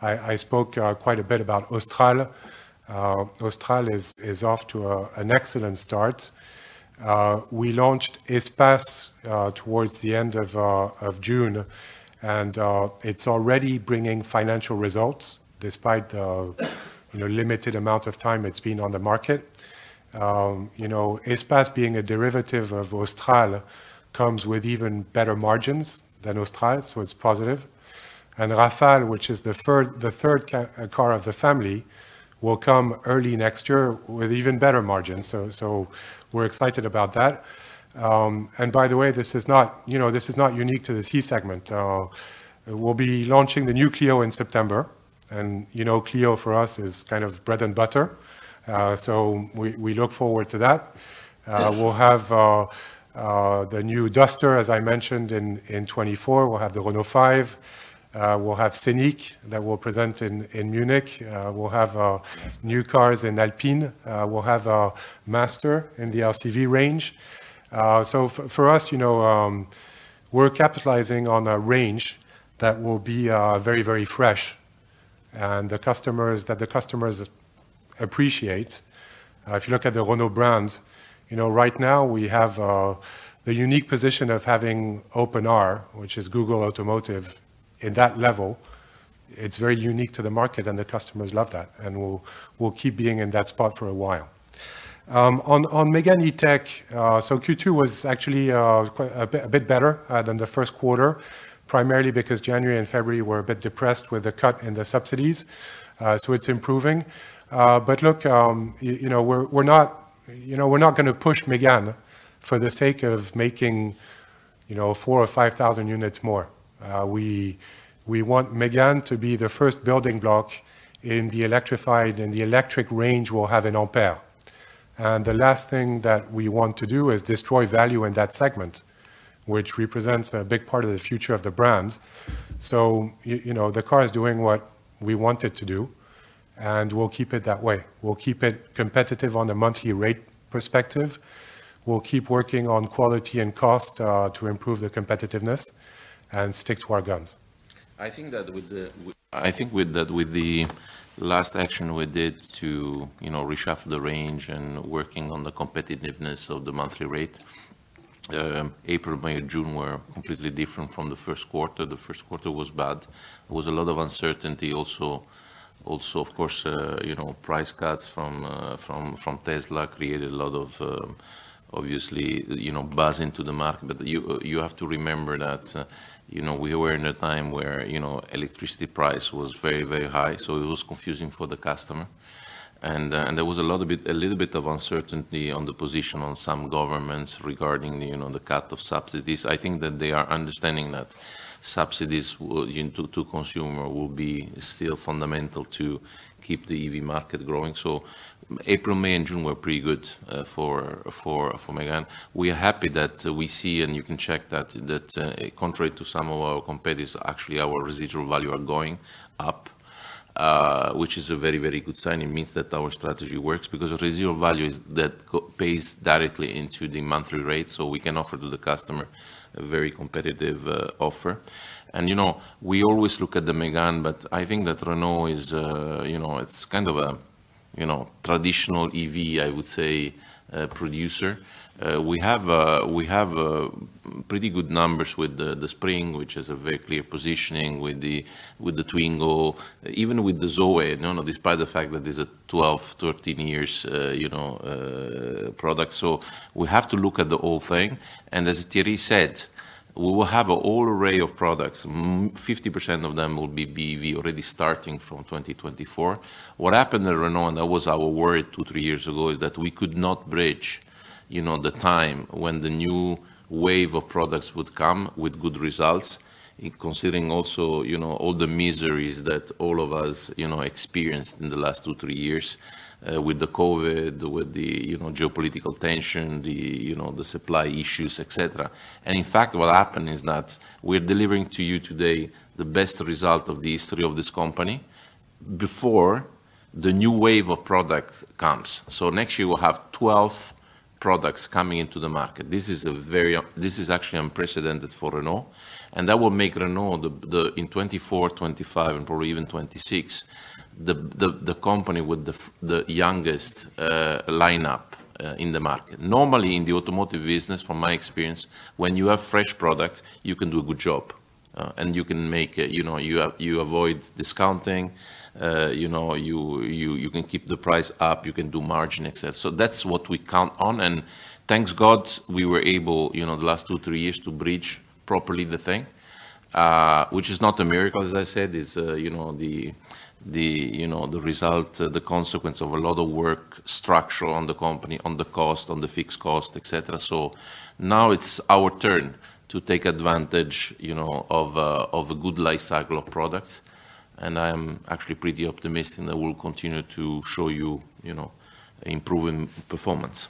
I spoke quite a bit about Austral. Austral is off to an excellent start. We launched Espace towards the end of June, it's already bringing financial results despite the, you know, limited amount of time it's been on the market. You know, Espace being a derivative of Austral, comes with even better margins than Austral, it's positive. Rafale, which is the third car of the family, will come early next year with even better margins. We're excited about that. By the way, this is not, you know, this is not unique to the C segment. We'll be launching the new Clio in September. You know, Clio for us is kind of bread and butter, we look forward to that. We'll have the new Duster, as I mentioned, in 2024. We'll have the Renault 5. We'll have Scenic that we'll present in Munich. We'll have new cars in Alpine. We'll have our Master in the LCV range. For us, you know, we're capitalizing on a range that will be very, very fresh, and that the customers appreciate. If you look at the Renault brands, you know, right now we have the unique position of having OpenR, which is Google Automotive, in that level. It's very unique to the market, and the customers love that, and we'll keep being in that spot for a while. On Mégane E-Tech, Q2 was actually quite a bit better than the first quarter, primarily because January and February were a bit depressed with the cut in the subsidies, it's improving. But look, you know, we're not, you know, we're not gonna push Mégane for the sake of making, you know, 4,000 or 5,000 units more. We want Mégane to be the first building block in the electrified, in the electric range we'll have in Ampere. The last thing that we want to do is destroy value in that segment, which represents a big part of the future of the brand. You know, the car is doing what we want it to do, and we'll keep it that way. We'll keep it competitive on a monthly rate perspective. We'll keep working on quality and cost to improve the competitiveness and stick to our guns. I think with that, with the last action we did to, you know, reshuffle the range and working on the competitiveness of the monthly rate, April, May, and June were completely different from the first quarter. The first quarter was bad. There was a lot of uncertainty also. Of course, you know, price cuts from Tesla created a lot of, obviously, you know, buzz into the market. You have to remember that, you know, we were in a time where, you know, electricity price was very, very high, so it was confusing for the customer. There was a little bit of uncertainty on the position on some governments regarding, you know, the cut of subsidies. I think that they are understanding that subsidies will, you know, to consumer will be still fundamental to keep the EV market growing. April, May, and June were pretty good for Megane. We are happy that we see, and you can check that, contrary to some of our competitors, actually, our residual value are going up, which is a very, very good sign. It means that our strategy works because residual value is that co- pays directly into the monthly rate, so we can offer to the customer a very competitive offer. You know, we always look at the Megane, but I think that Renault is, you know, it's kind of a, you know, traditional EV, I would say, producer. We have pretty good numbers with the Spring, which has a very clear positioning with the Twingo, even with the Zoe. No, despite the fact that is a 12, 13 years, you know, product. We have to look at the whole thing, and as Thierry said, we will have a whole array of products. 50% of them will be BEV, already starting from 2024. What happened at Renault, that was our worry 2, 3 years ago, is that we could not bridge, you know, the time when the new wave of products would come with good results, in considering also, you know, all the miseries that all of us, you know, experienced in the last 2, 3 years, with the COVID, with the, you know, geopolitical tension, the, you know, the supply issues, et cetera. In fact, what happened is that we're delivering to you today the best result of the history of this company before the new wave of products comes. Next year, we'll have 12 products coming into the market. This is actually unprecedented for Renault, and that will make Renault the, in 2024, 2025, and probably even 2026, the company with the youngest lineup in the market. Normally, in the automotive business, from my experience, when you have fresh products, you can do a good job, and you can make, you know, you avoid discounting. You know, you can keep the price up. You can do margin, etc. That's what we count on, and thanks God, we were able, you know, the last two, three years to bridge properly the thing, which is not a miracle, as I said. It's, you know, the result, the consequence of a lot of work, structural on the company, on the cost, on the fixed cost, etc. Now it's our turn to take advantage, you know, of a good life cycle of products, and I am actually pretty optimistic, and I will continue to show you know, improving performance.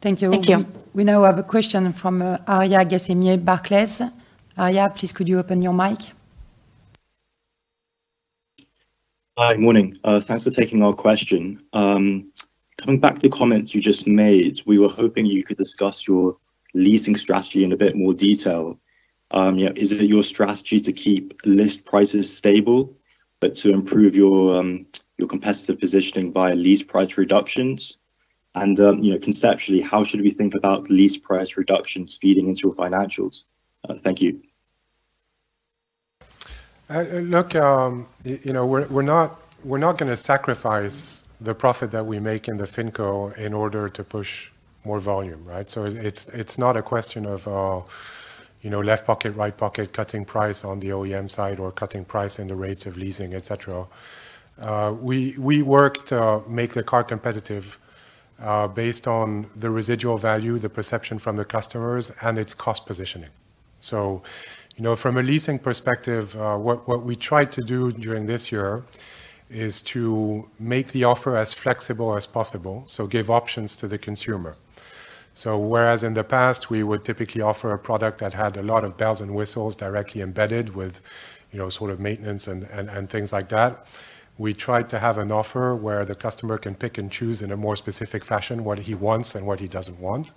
Thank you. Thank you. We now have a question from Arya Ghassemieh, Barclays. Arya, please, could you open your mic? Hi. Morning. Thanks for taking our question. Coming back to comments you just made, we were hoping you could discuss your leasing strategy in a bit more detail. You know, is it your strategy to keep list prices stable, but to improve your competitive positioning by lease price reductions? You know, conceptually, how should we think about lease price reductions feeding into your financials? Thank you. You know, we're not gonna sacrifice the profit that we make in the FinCo in order to push more volume, right? it's not a question of, you know, left pocket, right pocket, cutting price on the OEM side or cutting price in the rates of leasing, etc. we work to make the car competitive, based on the residual value, the perception from the customers, and its cost positioning, you know, from a leasing perspective, what we tried to do during this year is to make the offer as flexible as possible, so give options to the consumer. Whereas in the past, we would typically offer a product that had a lot of bells and whistles directly embedded with, you know, sort of maintenance and things like that, we tried to have an offer where the customer can pick and choose in a more specific fashion what he wants and what he doesn't want,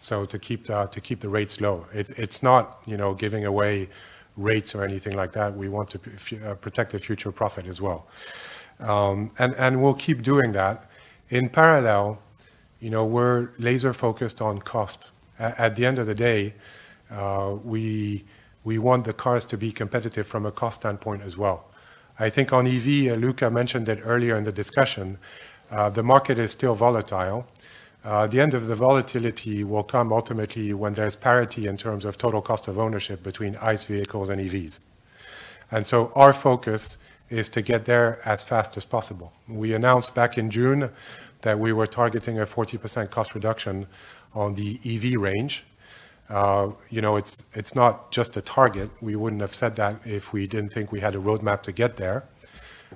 so to keep the rates low. It's not, you know, giving away rates or anything like that. We want to protect the future profit as well. We'll keep doing that. In parallel, you know, we're laser-focused on cost. At the end of the day, we want the cars to be competitive from a cost standpoint as well. I think on EV, and Luca mentioned it earlier in the discussion, the market is still volatile. The end of the volatility will come ultimately when there's parity in terms of total cost of ownership between ICE vehicles and EVs. Our focus is to get there as fast as possible. We announced back in June that we were targeting a 40% cost reduction on the EV range. You know, it's not just a target. We wouldn't have said that if we didn't think we had a roadmap to get there.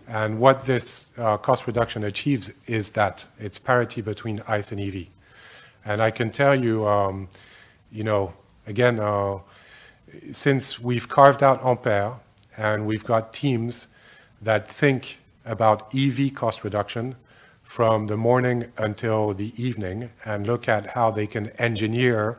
What this cost reduction achieves is that it's parity between ICE and EV. I can tell you know, again, since we've carved out Ampere, and we've got teams that think about EV cost reduction from the morning until the evening, and look at how they can engineer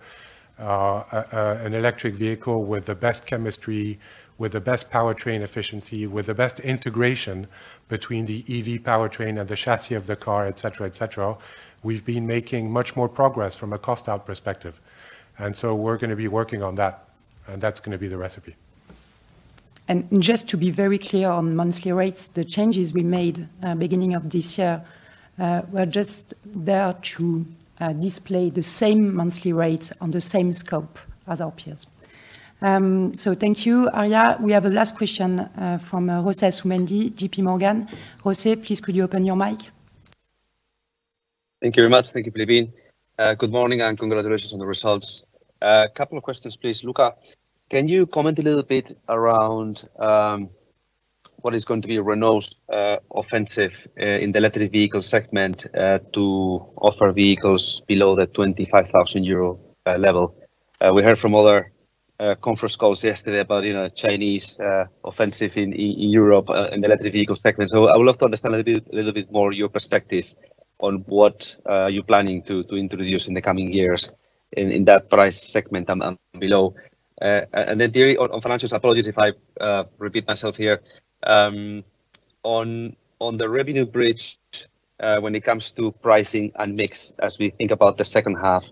an electric vehicle with the best chemistry, with the best powertrain efficiency, with the best integration between the EV powertrain and the chassis of the car, et cetera, et cetera, we've been making much more progress from a cost out perspective. So we're going to be working on that, and that's going to be the recipe. Just to be very clear on monthly rates, the changes we made beginning of this year were just there to display the same monthly rates on the same scope as our peers. Thank you, Arya. We have a last question from José Asumendi, JPMorgan. José, please, could you open your mic? Thank you very much. Thank you, Philippine. Good morning, and congratulations on the results. A couple of questions, please. Luca, can you comment a little bit around what is going to be Renault's offensive in the electric vehicle segment to offer vehicles below the 25,000 euro level? We heard from other conference calls yesterday about, you know, Chinese offensive in Europe in the electric vehicle segment. I would love to understand a little bit more your perspective on what are you planning to introduce in the coming years in that price segment and below. Then Thierry, on financials, apologies if I repeat myself here, on the revenue bridge, when it comes to pricing and mix, as we think about the second half,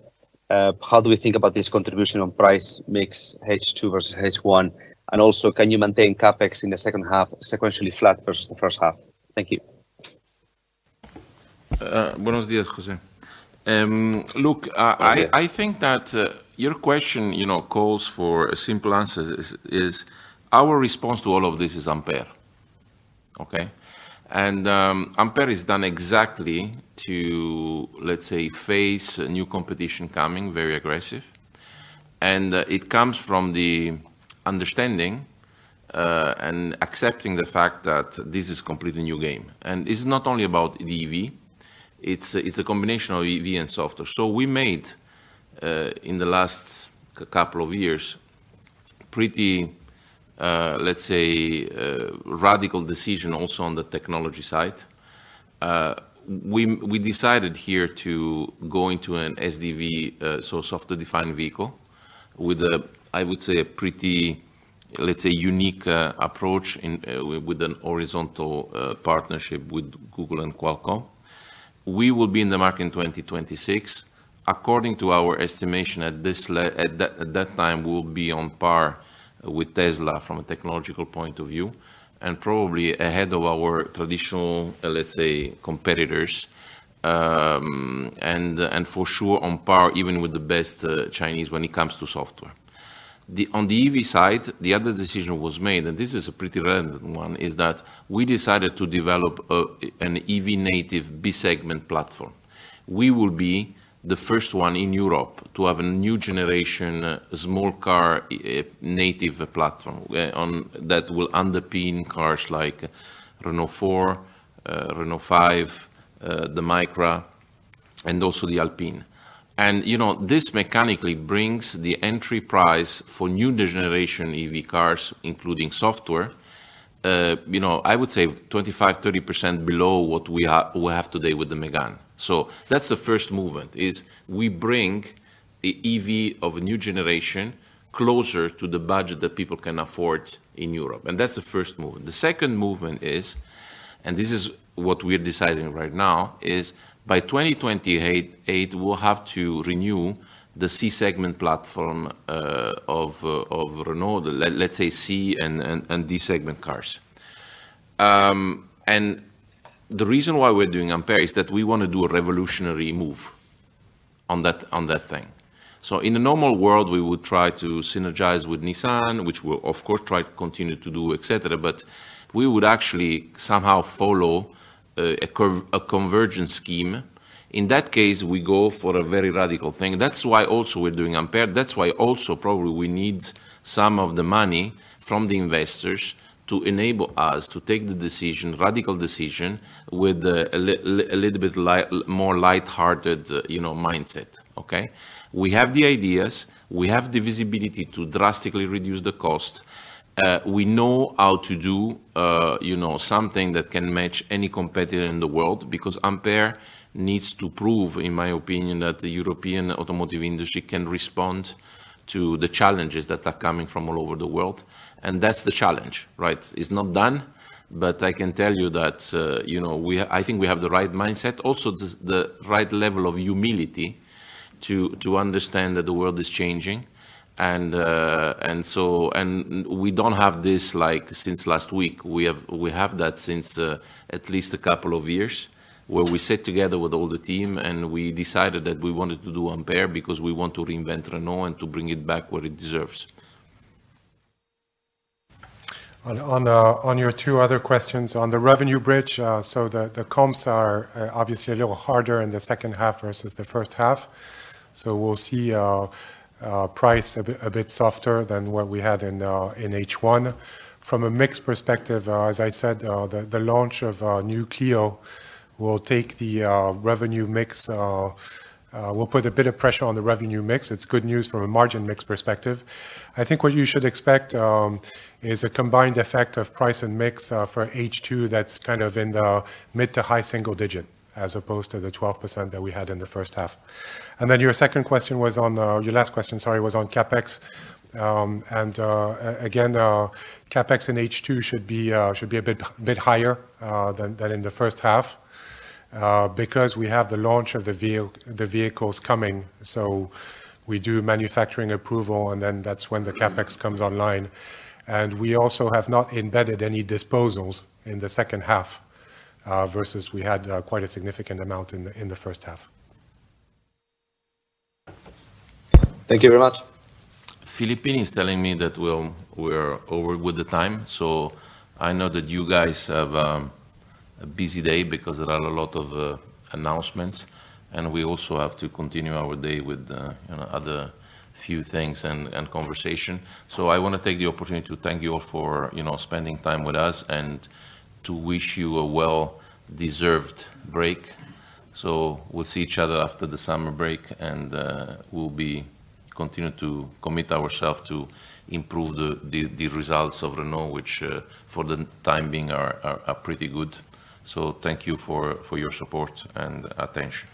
how do we think about this contribution on price mix, H2 versus H1? Also, can you maintain CapEx in the second half, sequentially flat versus the first half? Thank you. Buenos dias, José. Look, I think that your question, you know, calls for a simple answer, is our response to all of this is Ampere. Okay? Ampere is done exactly to face a new competition coming, very aggressive. It comes from the understanding and accepting the fact that this is completely new game. This is not only about the EV, it's a combination of EV and software. We made in the last couple of years, pretty radical decision also on the technology side. We decided here to go into an SDV, so software-defined vehicle, with a pretty unique approach in with an horizontal partnership with Google and Qualcomm. We will be in the market in 2026. According to our estimation, at that time, we'll be on par with Tesla from a technological point of view, and probably ahead of our traditional, let's say, competitors, and for sure, on par even with the best Chinese when it comes to software. On the EV side, the other decision was made, and this is a pretty random one, is that we decided to develop an EV-native B-segment platform. We will be the first one in Europe to have a new generation, small car, native platform that will underpin cars like Renault 4, Renault 5, the Micra, and also the Alpine. You know, this mechanically brings the entry price for new generation EV cars, including software, you know, I would say 25%-30% below what we have today with the Mégane. That's the first movement, is we bring a EV of a new generation closer to the budget that people can afford in Europe, and that's the first movement. The second movement is, this is what we are deciding right now, is by 2028, we'll have to renew the C-segment platform of Renault, let's say C and D-segment cars. The reason why we're doing Ampere is that we want to do a revolutionary move on that, on that thing. In a normal world, we would try to synergize with Nissan, which we'll, of course, try to continue to do, et cetera. We would actually somehow follow a convergence scheme. In that case, we go for a very radical thing. That's why also we're doing Ampere. That's why also probably we need some of the money from the investors to enable us to take the decision, radical decision, with a little bit more lighthearted, you know, mindset, okay. We have the ideas, we have the visibility to drastically reduce the cost. We know how to do, you know, something that can match any competitor in the world, because Ampere needs to prove, in my opinion, that the European automotive industry can respond to the challenges that are coming from all over the world, and that's the challenge, right. It's not done, but I can tell you that, you know, I think we have the right mindset, also the right level of humility to understand that the world is changing. We don't have this, like, since last week. We have that since at least a couple of years, where we sit together with all the team, and we decided that we wanted to do Ampere because we want to reinvent Renault and to bring it back what it deserves. On your two other questions, on the revenue bridge, the comps are obviously a little harder in the second half versus the first half, so we'll see our price a bit softer than what we had in H1. From a mix perspective, as I said, the launch of our new Clio will take the revenue mix, will put a bit of pressure on the revenue mix. It's good news from a margin mix perspective. I think what you should expect is a combined effect of price and mix for H2 that's kind of in the mid to high single digit, as opposed to the 12% that we had in the first half. Your last question, sorry, was on CapEx. Again, CapEx in H2 should be a bit higher than in the first half because we have the launch of the vehicles coming, so we do manufacturing approval, then that's when the CapEx comes online. We also have not embedded any disposals in the second half versus we had quite a significant amount in the first half. Thank you very much. Philippine is telling me that we're over with the time. I know that you guys have a busy day because there are a lot of announcements, and we also have to continue our day with, you know, other few things and conversation. I want to take the opportunity to thank you all for, you know, spending time with us, and to wish you a well-deserved break. We'll see each other after the summer break, and we'll continue to commit ourselves to improve the results of Renault, which for the time being, are pretty good. Thank you for your support and attention.